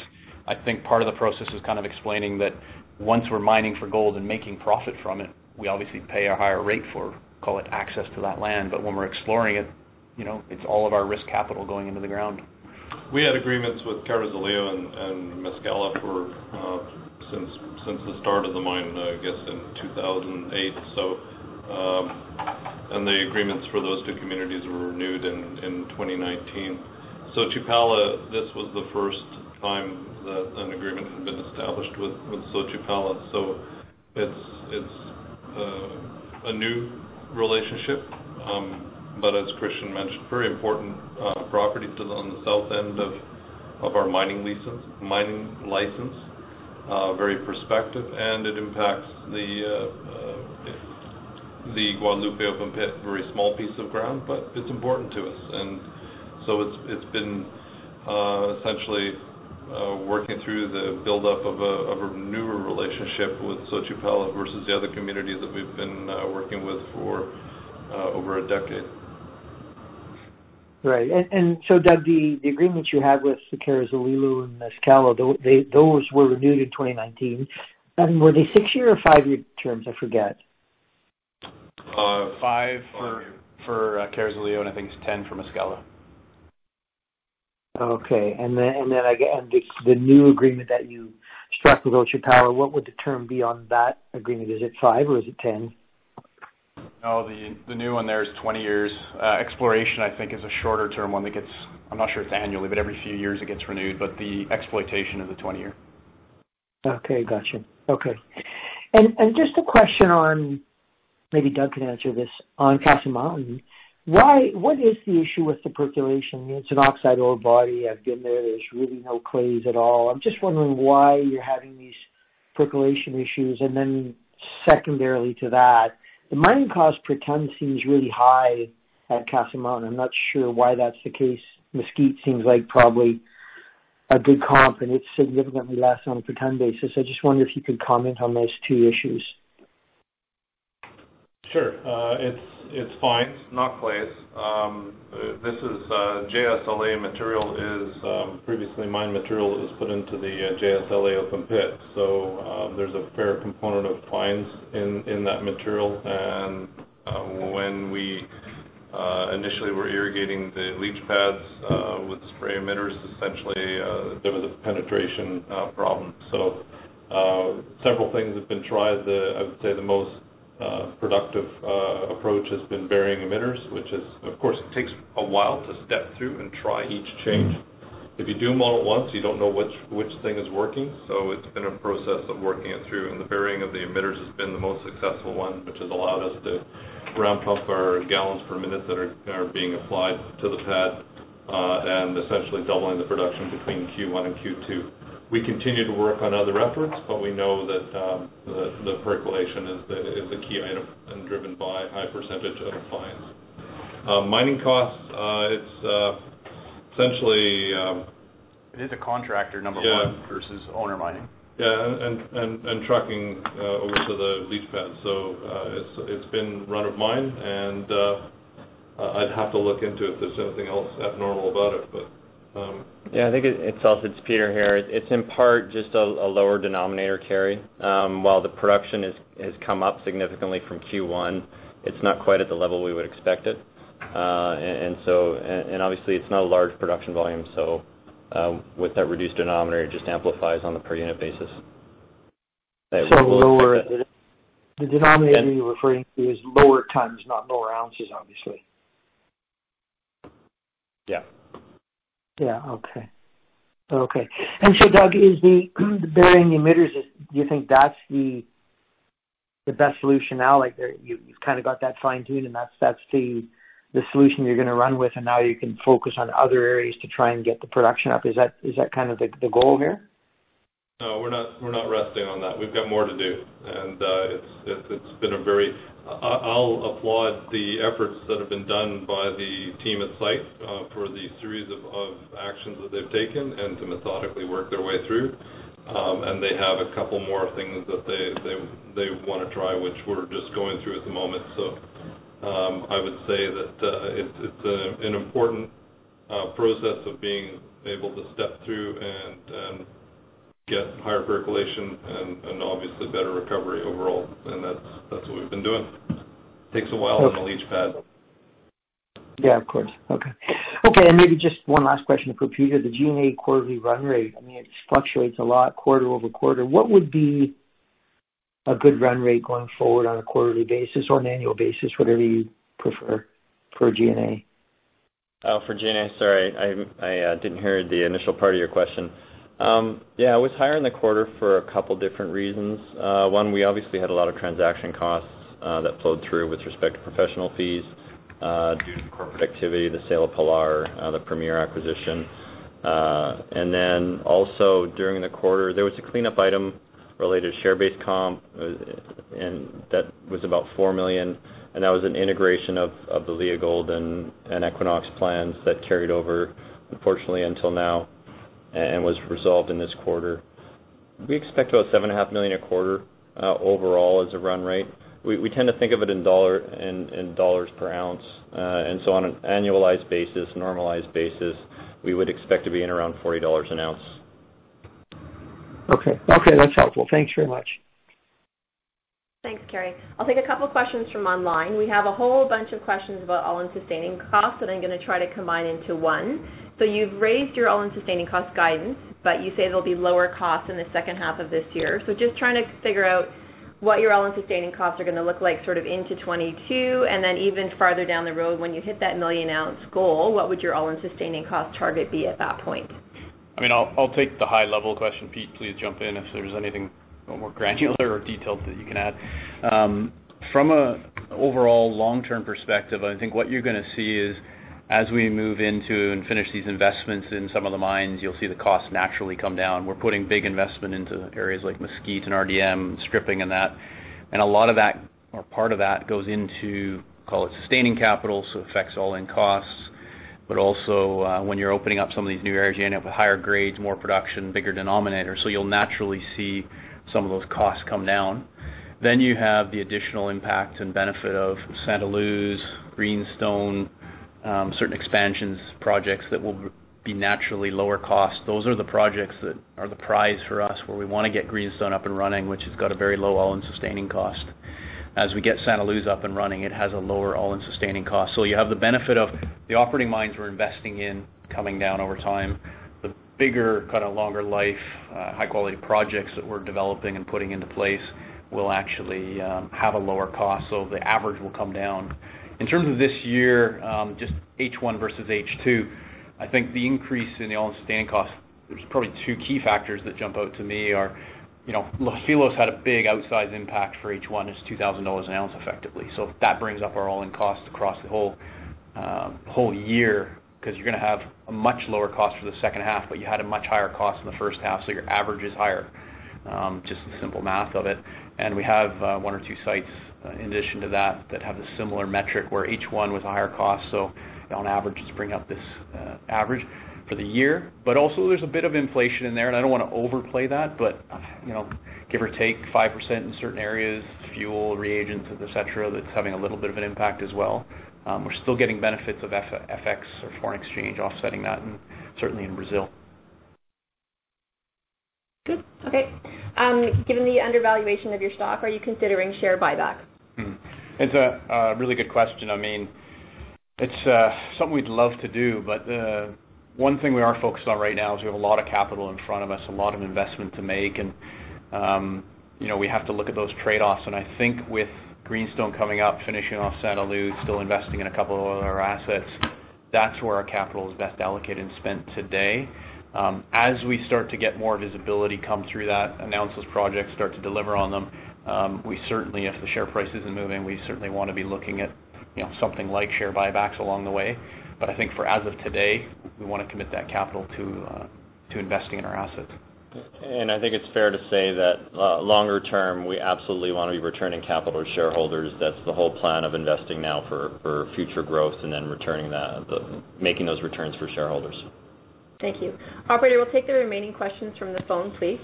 I think, part of the process is kind of explaining that once we're mining for gold and making profit from it, we obviously pay a higher rate for, call it, access to that land. When we're exploring it's all of our risk capital going into the ground. We had agreements with Carrizalillo and Mezcala since the start of the mine, I guess, in 2008. The agreements for those two communities were renewed in 2019. Xochipala, this was the first time that an agreement had been established with Xochipala. It's a new relationship. As Christian mentioned, very important property on the south end of our mining license. Very prospective, and it impacts the Guadalupe open pit, very small piece of ground, but it's important to us. So it's been essentially working through the buildup of a newer relationship with Xochipala versus the other communities that we've been working with for over a decade. Right. Doug, the agreements you had with the Carrizalillo and Mezcala, those were renewed in 2019. Were they six-year or five-year terms? I forget. Five for Carrizalillo, and I think it's 10 for Mezcala. Okay. The new agreement that you struck with Xochipala, what would the term be on that agreement? Is it five or is it 10? The new one there is 20 years. Exploration, I think, is a shorter term, one that gets, I'm not sure it's annually, but every few years it gets renewed. The exploitation is a 20-year. Okay. Got you. Okay. Just a question on, maybe Doug can answer this, on Castle Mountain. What is the issue with the percolation? It's an oxide ore body. I've been there. There's really no clays at all. I'm just wondering why you're having these percolation issues. Secondarily to that, the mining cost per ton seems really high at Castle Mountain. I'm not sure why that's the case. Mesquite seems like probably a good comp, it's significantly less on a per ton basis. I just wonder if you could comment on those two issues. Sure. It's fines, not clays. JSLA material is previously mined material that was put into the JSLA open pit. There's a fair component of fines in that material. When we initially were irrigating the leach pads with spray emitters, essentially, there was a penetration problem. Several things have been tried. I would say the most productive approach has been burying emitters, which is, of course, it takes a while to step through and try each change. If you do them all at once, you don't know which thing is working. It's been a process of working it through, and the burying of the emitters has been the most successful one, which has allowed us to ramp up our gallons per minute that are being applied to the pad, and essentially doubling the production between Q1 and Q2. We continue to work on other efforts, but we know that the percolation is a key item and driven by high percentage of the fines. It is a contractor, number one- Yeah. Versus owner mining. Yeah, trucking over to the leach pad. It's been run of mine, and I'd have to look into if there's anything else abnormal about it. Yeah, I think it's also, it's Peter here. It's in part just a lower denominator, Kerry. While the production has come up significantly from Q1, it's not quite at the level we would expect it. Obviously it's not a large production volume, with that reduced denominator, it just amplifies on the per unit basis. Lower the denominator you're referring to is lower tons, not lower ounces, obviously. Yeah. Yeah. Okay. Doug, is the burying the emitters, do you think that's the best solution now? Like, you've kind of got that fine-tuned and that's the solution you're gonna run with, and now you can focus on other areas to try and get the production up. Is that kind of the goal here? No, we're not resting on that. We've got more to do, and I'll applaud the efforts that have been done by the team at site, for the series of actions that they've taken and to methodically work their way through. They have a couple more things that they want to try, which we're just going through at the moment. I would say that, it's an important process of being able to step through and get higher percolation and obviously better recovery overall. That's what we've been doing. Takes a while on a leach pad. Yeah, of course. Okay. Maybe just one last question for Peter. The G&A quarterly run rate, I mean, it fluctuates a lot quarter-over-quarter. What would be a good run rate going forward on a quarterly basis or an annual basis, whatever you'd prefer for G&A? For G&A, sorry, I didn't hear the initial part of your question. Yeah, it was higher in the quarter for a couple different reasons. One, we obviously had a lot of transaction costs that flowed through with respect to professional fees, due to the corporate activity, the sale of Pilar, the Premier acquisition. Also, during the quarter, there was a cleanup item related to share-based comp, and that was about $4 million, and that was an integration of the Leagold and Equinox Gold plans that carried over, unfortunately, until now and was resolved in this quarter. We expect about $7.5 million a quarter overall as a run rate. We tend to think of it in dollars per ounce. On an annualized basis, normalized basis, we would expect to be in around $40 an ounce. Okay. That's helpful. Thanks very much. Thanks, Kerry. I'll take a couple questions from online. We have a whole bunch of questions about all-in sustaining costs that I'm going to try to combine into one. You've raised your all-in sustaining cost guidance, but you say there'll be lower costs in the second half of this year. Just trying to figure out what your all-in sustaining costs are going to look like sort of into 2022, and then even farther down the road when you hit that 1 million-ounce goal, what would your all-in sustaining cost target be at that point? I'll take the high-level question. Pete, please jump in if there's anything more granular or detailed that you can add. From an overall long-term perspective, I think what you're going to see is as we move into and finish these investments in some of the mines, you'll see the costs naturally come down. We're putting big investment into areas like Mesquite and RDM, stripping and that, and a lot of that, or part of that goes into, call it sustaining capital, so it affects all-in costs. Also, when you're opening up some of these new areas, you're going to have higher grades, more production, bigger denominator, so you'll naturally see some of those costs come down. You have the additional impacts and benefit of Santa Luz, Greenstone, certain expansions projects that will be naturally lower cost. Those are the projects that are the prize for us, where we want to get Greenstone up and running, which has got a very low all-in sustaining cost. As we get Santa Luz up and running, it has a lower all-in sustaining cost. You have the benefit of the operating mines we're investing in coming down over time. The bigger, kind of longer life, high-quality projects that we're developing and putting into place will actually have a lower cost, so the average will come down. In terms of this year, just H1 versus H2, I think the increase in the all-in sustaining costs, there are probably two key factors that jump out to me are, Los Filos had a big outsize impact for H1. It's $2,000 an ounce effectively. That brings up our all-in costs across the whole year, because you're going to have a much lower cost for the second half, but you had a much higher cost in the first half, so your average is higher, just the simple math of it. We have one or two sites in addition to that that have a similar metric where H1 was a higher cost, so on average, it's bringing up this average for the year. Also there's a bit of inflation in there, and I don't want to overplay that, give or take 5% in certain areas, fuel, reagents, et cetera, that's having a little bit of an impact as well. We're still getting benefits of FX or foreign exchange offsetting that, and certainly in Brazil. Good. Okay. Given the undervaluation of your stock, are you considering share buyback? It's a really good question. It's something we'd love to do, but one thing we are focused on right now is we have a lot of capital in front of us, a lot of investment to make, and we have to look at those trade-offs. I think with Greenstone coming up, finishing off Santa Luz, still investing in a couple of other assets, that's where our capital is best allocated and spent today. As we start to get more visibility come through that, announce those projects, start to deliver on them, if the share price isn't moving, we certainly want to be looking at something like share buybacks along the way. I think for as of today, we want to commit that capital to investing in our assets. I think it's fair to say that longer term, we absolutely want to be returning capital to shareholders. That's the whole plan of investing now for future growth and then making those returns for shareholders. Thank you. Operator, we'll take the remaining questions from the phone, please.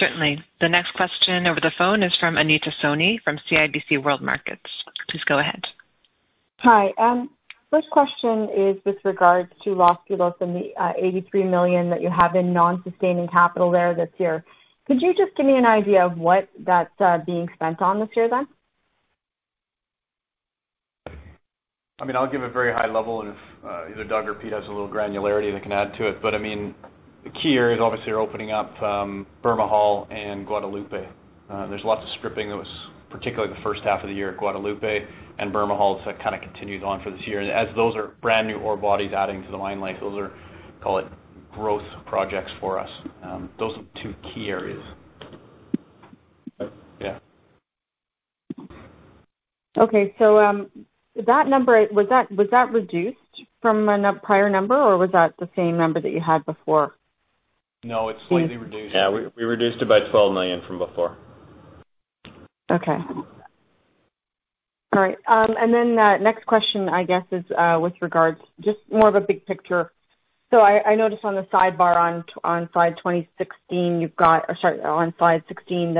Certainly. The next question over the phone is from Anita Soni from CIBC World Markets. Please go ahead. Hi. First question is with regards to Los Filos and the $83 million that you have in non-sustaining capital there this year. Could you just give me an idea of what that's being spent on this year, then? I'll give a very high level, and if either Doug or Pete has a little granularity they can add to it. The key areas obviously are opening up Bermejal and Guadalupe. There's lots of stripping that was particularly the first half of the year at Guadalupe and Bermejal, so that kind of continues on for this year. As those are brand new ore bodies adding to the mine life, those are, call it, growth projects for us. Those are two key areas. Yeah. Okay. That number, was that reduced from a prior number, or was that the same number that you had before? No, it's slightly reduced. We reduced it by $12 million from before. Okay. All right. Next question, I guess is with regards, just more of a big picture. I noticed on the sidebar on slide 16 that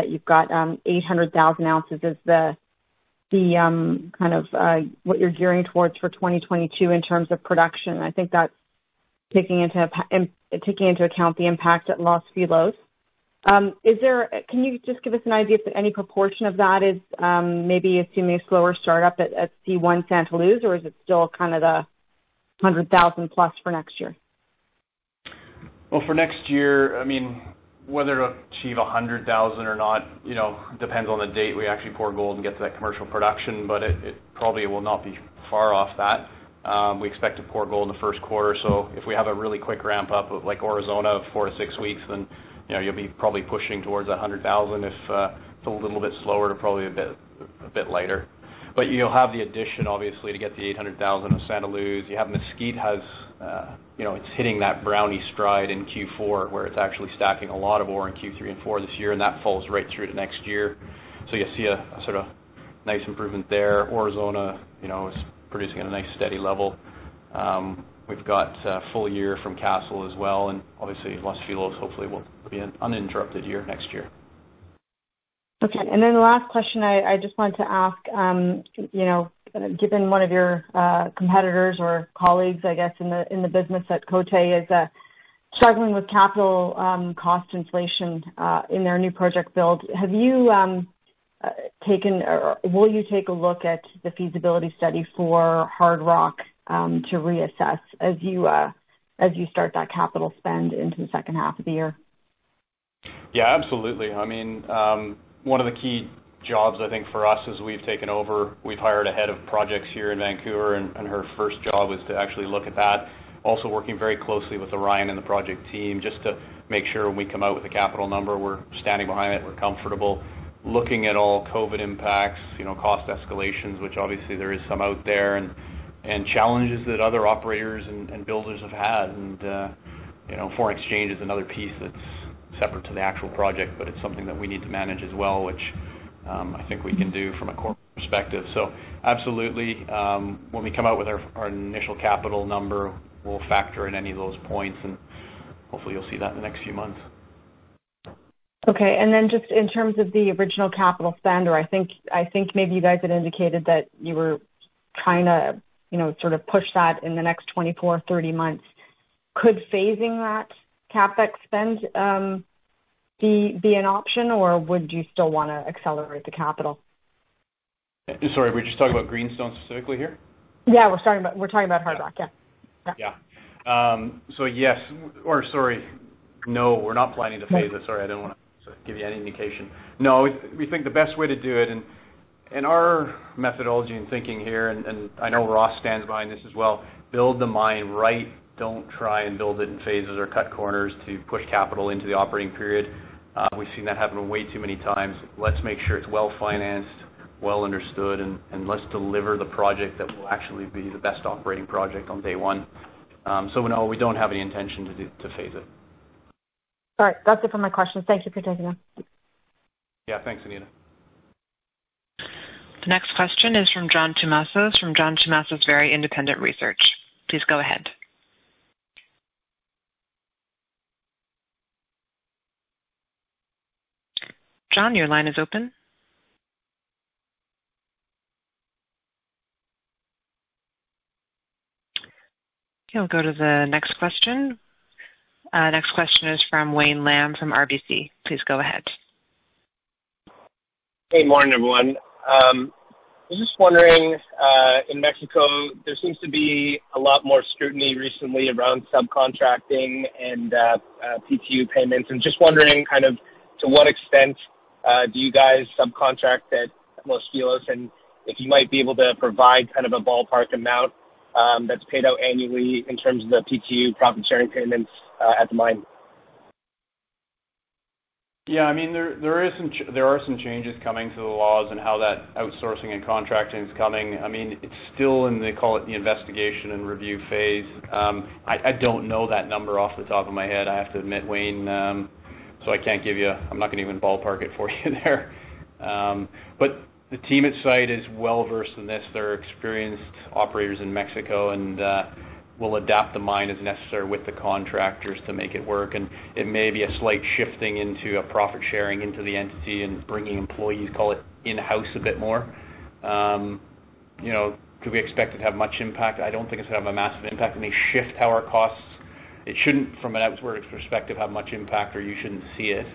you've got 800,000 ounces as what you're gearing towards for 2022 in terms of production. I think that's taking into account the impact at Los Filos. Can you just give us an idea if any proportion of that is maybe assuming a slower start-up at C1 Santa Luz, or is it still kind of the 100,000+ for next year? For next year, whether it'll achieve 100,000 or not depends on the date we actually pour gold and get to that commercial production. It probably will not be far off that. We expect to pour gold in the first quarter. If we have a really quick ramp-up of like Aurizona, four to six weeks, you'll be probably pushing towards 100,000. If it's a little bit slower, probably a bit later. You'll have the addition, obviously, to get the 800,000 of Santa Luz. You have Mesquite, it's hitting that Brownie stride in Q4, where it's actually stacking a lot of ore in Q3 and Q4 this year. That falls right through to next year. You see a nice improvement there. Aurizona is producing at a nice, steady level. We've got a full-year from Castle as well, and obviously Los Filos hopefully will be an uninterrupted year next year. Okay. The last question I just wanted to ask, given one of your competitors or colleagues, I guess, in the business at Coté is struggling with capital cost inflation in their new project build. Have you taken or will you take a look at the feasibility study for Hardrock to reassess as you start that capital spend into the second half of the year? Yeah, absolutely. One of the key jobs, I think, for us as we've taken over, we've hired a head of projects here in Vancouver, and her first job is to actually look at that. Also working very closely with Orion and the project team, just to make sure when we come out with a capital number, we're standing behind it, we're comfortable looking at all COVID impacts, cost escalations, which obviously there is some out there, and challenges that other operators and builders have had. Foreign exchange is another piece that's separate to the actual project, but it's something that we need to manage as well, which I think we can do from a corporate perspective. Absolutely. When we come out with our initial capital number, we'll factor in any of those points, and hopefully you'll see that in the next few months. Okay. Just in terms of the original capital spend, or I think maybe you guys had indicated that you were trying to push that in the next 24 or 30 months. Could phasing that CapEx spend be an option, or would you still want to accelerate the capital? Sorry, were you just talking about Greenstone specifically here? Yeah, we're talking about Hardrock, yeah. Yeah. Sorry. We're not planning to phase it. Sorry, I didn't want to give you any indication. We think the best way to do it, and our methodology and thinking here, and I know Ross stands behind this as well, build the mine right. Don't try and build it in phases or cut corners to push capital into the operating period. We've seen that happen way too many times. Let's make sure it's well-financed, well understood, and let's deliver the project that will actually be the best operating project on day one. We don't have any intention to phase it. All right. That's it for my questions. Thank you for taking them. Yeah. Thanks, Anita. The next question is from John Tumazos from John Tumazos Very Independent Research. Please go ahead. John, your line is open. Okay, we will go to the next question. Next question is from Wayne Lam from RBC. Please go ahead. Hey, morning, everyone. I'm just wondering, in Mexico, there seems to be a lot more scrutiny recently around subcontracting and PTU payments, and just wondering to what extent do you guys subcontract at Los Filos, and if you might be able to provide a ballpark amount that's paid out annually in terms of the PTU profit-sharing payments at the mine. Yeah, there are some changes coming to the laws and how that outsourcing and contracting is coming. It's still in, they call it, the investigation and review phase. I don't know that number off the top of my head, I have to admit, Wayne, so I'm not going to even ballpark it for you there. The team at site is well-versed in this. They're experienced operators in Mexico, and we'll adapt the mine as necessary with the contractors to make it work. It may be a slight shifting into a profit-sharing into the entity and bringing employees, call it, in-house a bit more. Do we expect it to have much impact? I don't think it's going to have a massive impact. It may shift our costs. It shouldn't, from an outward perspective, have much impact, or you shouldn't see it,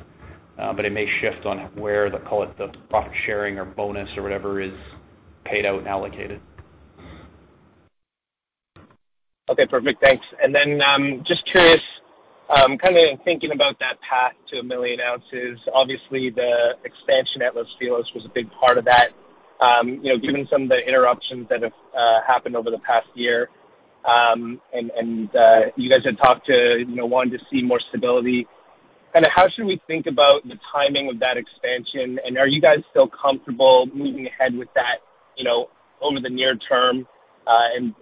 but it may shift on where the, call it, the profit-sharing or bonus or whatever is paid out and allocated. Okay, perfect. Thanks. Just curious, thinking about that path to a million ounces, obviously the expansion at Los Filos was a big part of that. Given some of the interruptions that have happened over the past year, and you guys had talked to wanting to see more stability. How should we think about the timing of that expansion, and are you guys still comfortable moving ahead with that over the near term, and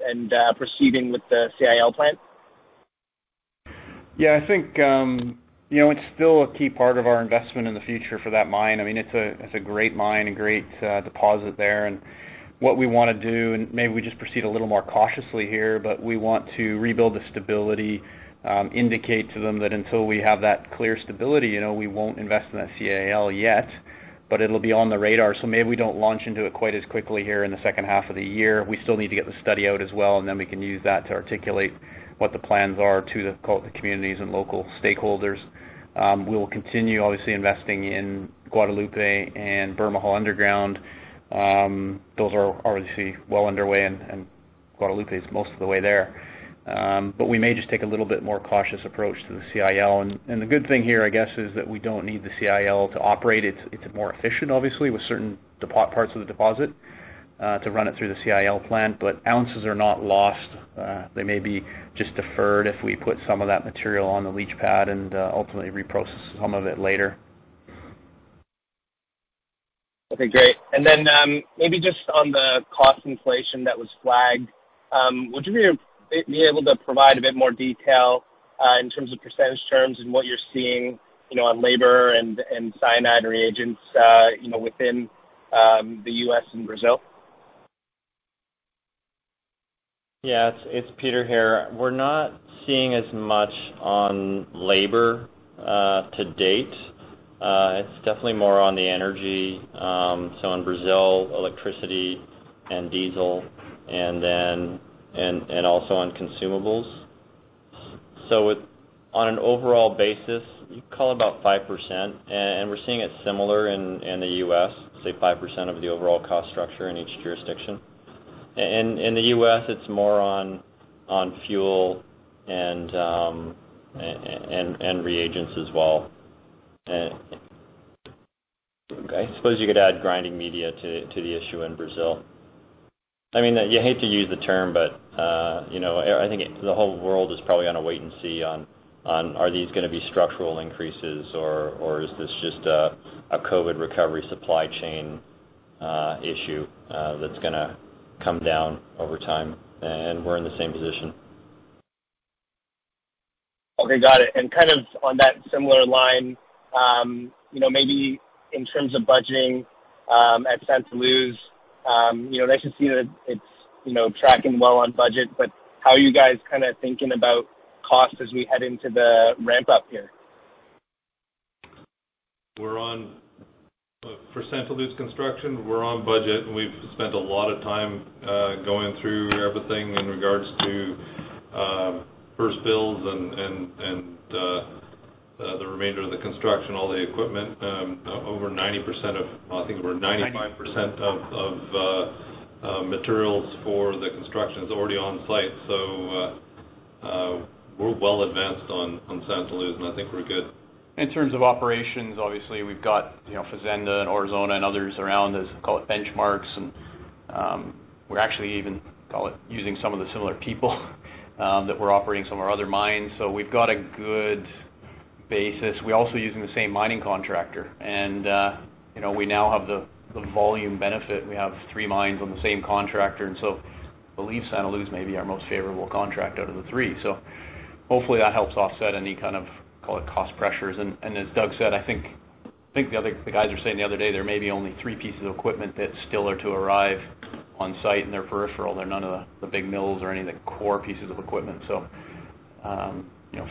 proceeding with the CIL plan? Yeah, I think it's still a key part of our investment in the future for that mine. It's a great mine, a great deposit there. What we want to do, and maybe we just proceed a little more cautiously here, but we want to rebuild the stability, indicate to them that until we have that clear stability, we won't invest in that CIL yet, but it'll be on the radar, so maybe we don't launch into it quite as quickly here in the second half of the year. We still need to get the study out as well, and then we can use that to articulate what the plans are to the communities and local stakeholders. We will continue, obviously, investing in Guadalupe and Bermejal underground. Those are obviously well underway, and Guadalupe is most of the way there. We may just take a little bit more cautious approach to the CIL. The good thing here, I guess, is that we don't need the CIL to operate it. It's more efficient, obviously, with certain parts of the deposit, to run it through the CIL plant, but ounces are not lost. They may be just deferred if we put some of that material on the leach pad and ultimately reprocess some of it later. Okay, great. Maybe just on the cost inflation that was flagged, would you be able to provide a bit more detail in terms of percentage terms and what you're seeing on labor and cyanide reagents within the U.S. and Brazil? Yes, it's Peter here. We're not seeing as much on labor to date. It's definitely more on the energy. In Brazil, electricity and diesel, and also on consumables. On an overall basis, you call it about 5%, and we're seeing it similar in the U.S., say 5% of the overall cost structure in each jurisdiction. In the U.S., it's more on fuel and reagents as well. Okay. I suppose you could add grinding media to the issue in Brazil. You hate to use the term, I think the whole world is probably going to wait and see on, are these going to be structural increases, or is this just a COVID recovery supply chain issue that's going to come down over time? We're in the same position. Okay, got it. On that similar line, maybe in terms of budgeting at Santa Luz, nice to see that it's tracking well on budget, but how are you guys thinking about costs as we head into the ramp-up here? For Santa Luz construction, we're on budget, and we've spent a lot of time going through everything in regards to first builds and the remainder of the construction, all the equipment. Over 90% of I think we're 95% of materials for the construction is already on site. We're well advanced on Santa Luz, and I think we're good. In terms of operations, obviously we've got Fazenda and Aurizona and others around as, call it benchmarks, we're actually even, call it, using some of the similar people that were operating some of our other mines. We've got a good basis. We're also using the same mining contractor, and we now have the volume benefit. We have three mines on the same contractor, I believe Santa Luz may be our most favorable contract out of the three. Hopefully that helps offset any kind of, call it cost pressures. As Doug said, I think the guys were saying the other day, there may be only three pieces of equipment that still are to arrive on site, and they're peripheral. They're none of the big mills or any of the core pieces of equipment.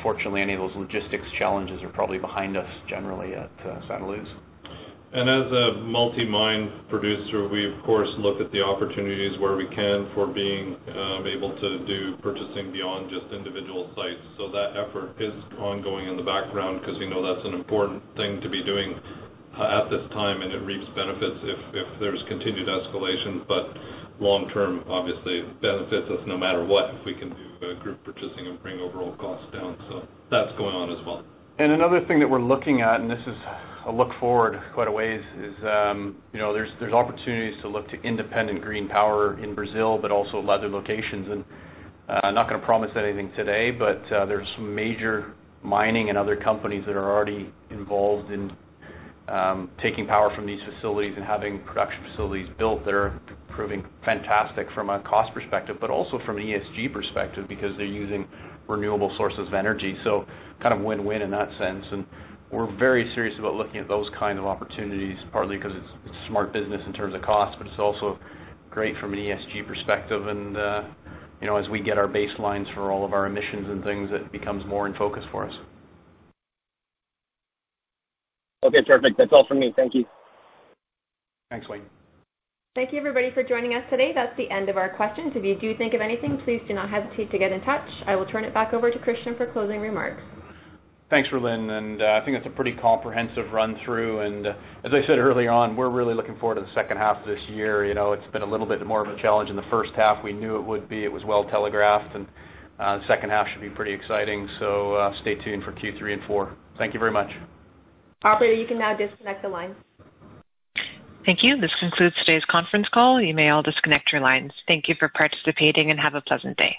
Fortunately, any of those logistics challenges are probably behind us generally at Santa Luz. As a multi-mine producer, we of course, look at the opportunities where we can for being able to do purchasing beyond just individual sites. That effort is ongoing in the background because we know that's an important thing to be doing at this time, and it reaps benefits if there's continued escalation. Long term, obviously it benefits us no matter what if we can do group purchasing and bring overall costs down. That's going on as well. Another thing that we're looking at, and this is a look forward quite a ways, is there's opportunities to look to independent green power in Brazil, but also other locations. I'm not going to promise anything today, but there's some major mining and other companies that are already involved in taking power from these facilities and having production facilities built that are proving fantastic from a cost perspective, but also from an ESG perspective because they're using renewable sources of energy. Kind of win-win in that sense. We're very serious about looking at those kind of opportunities, partly because it's smart business in terms of cost, but it's also great from an ESG perspective and as we get our baselines for all of our emissions and things, it becomes more in focus for us. Okay, perfect. That's all from me. Thank you. Thanks, Wayne. Thank you everybody for joining us today. That's the end of our questions. If you do think of anything, please do not hesitate to get in touch. I will turn it back over to Christian for closing remarks. Thanks, Rhylin, I think that's a pretty comprehensive run-through. As I said early on, we're really looking forward to the second half of this year. It's been a little bit more of a challenge in the first half. We knew it would be. It was well telegraphed, and second half should be pretty exciting. Stay tuned for Q3 and Q4. Thank you very much. Operator, you can now disconnect the lines. Thank you. This concludes today's conference call. You may all disconnect your lines. Thank you for participating and have a pleasant day.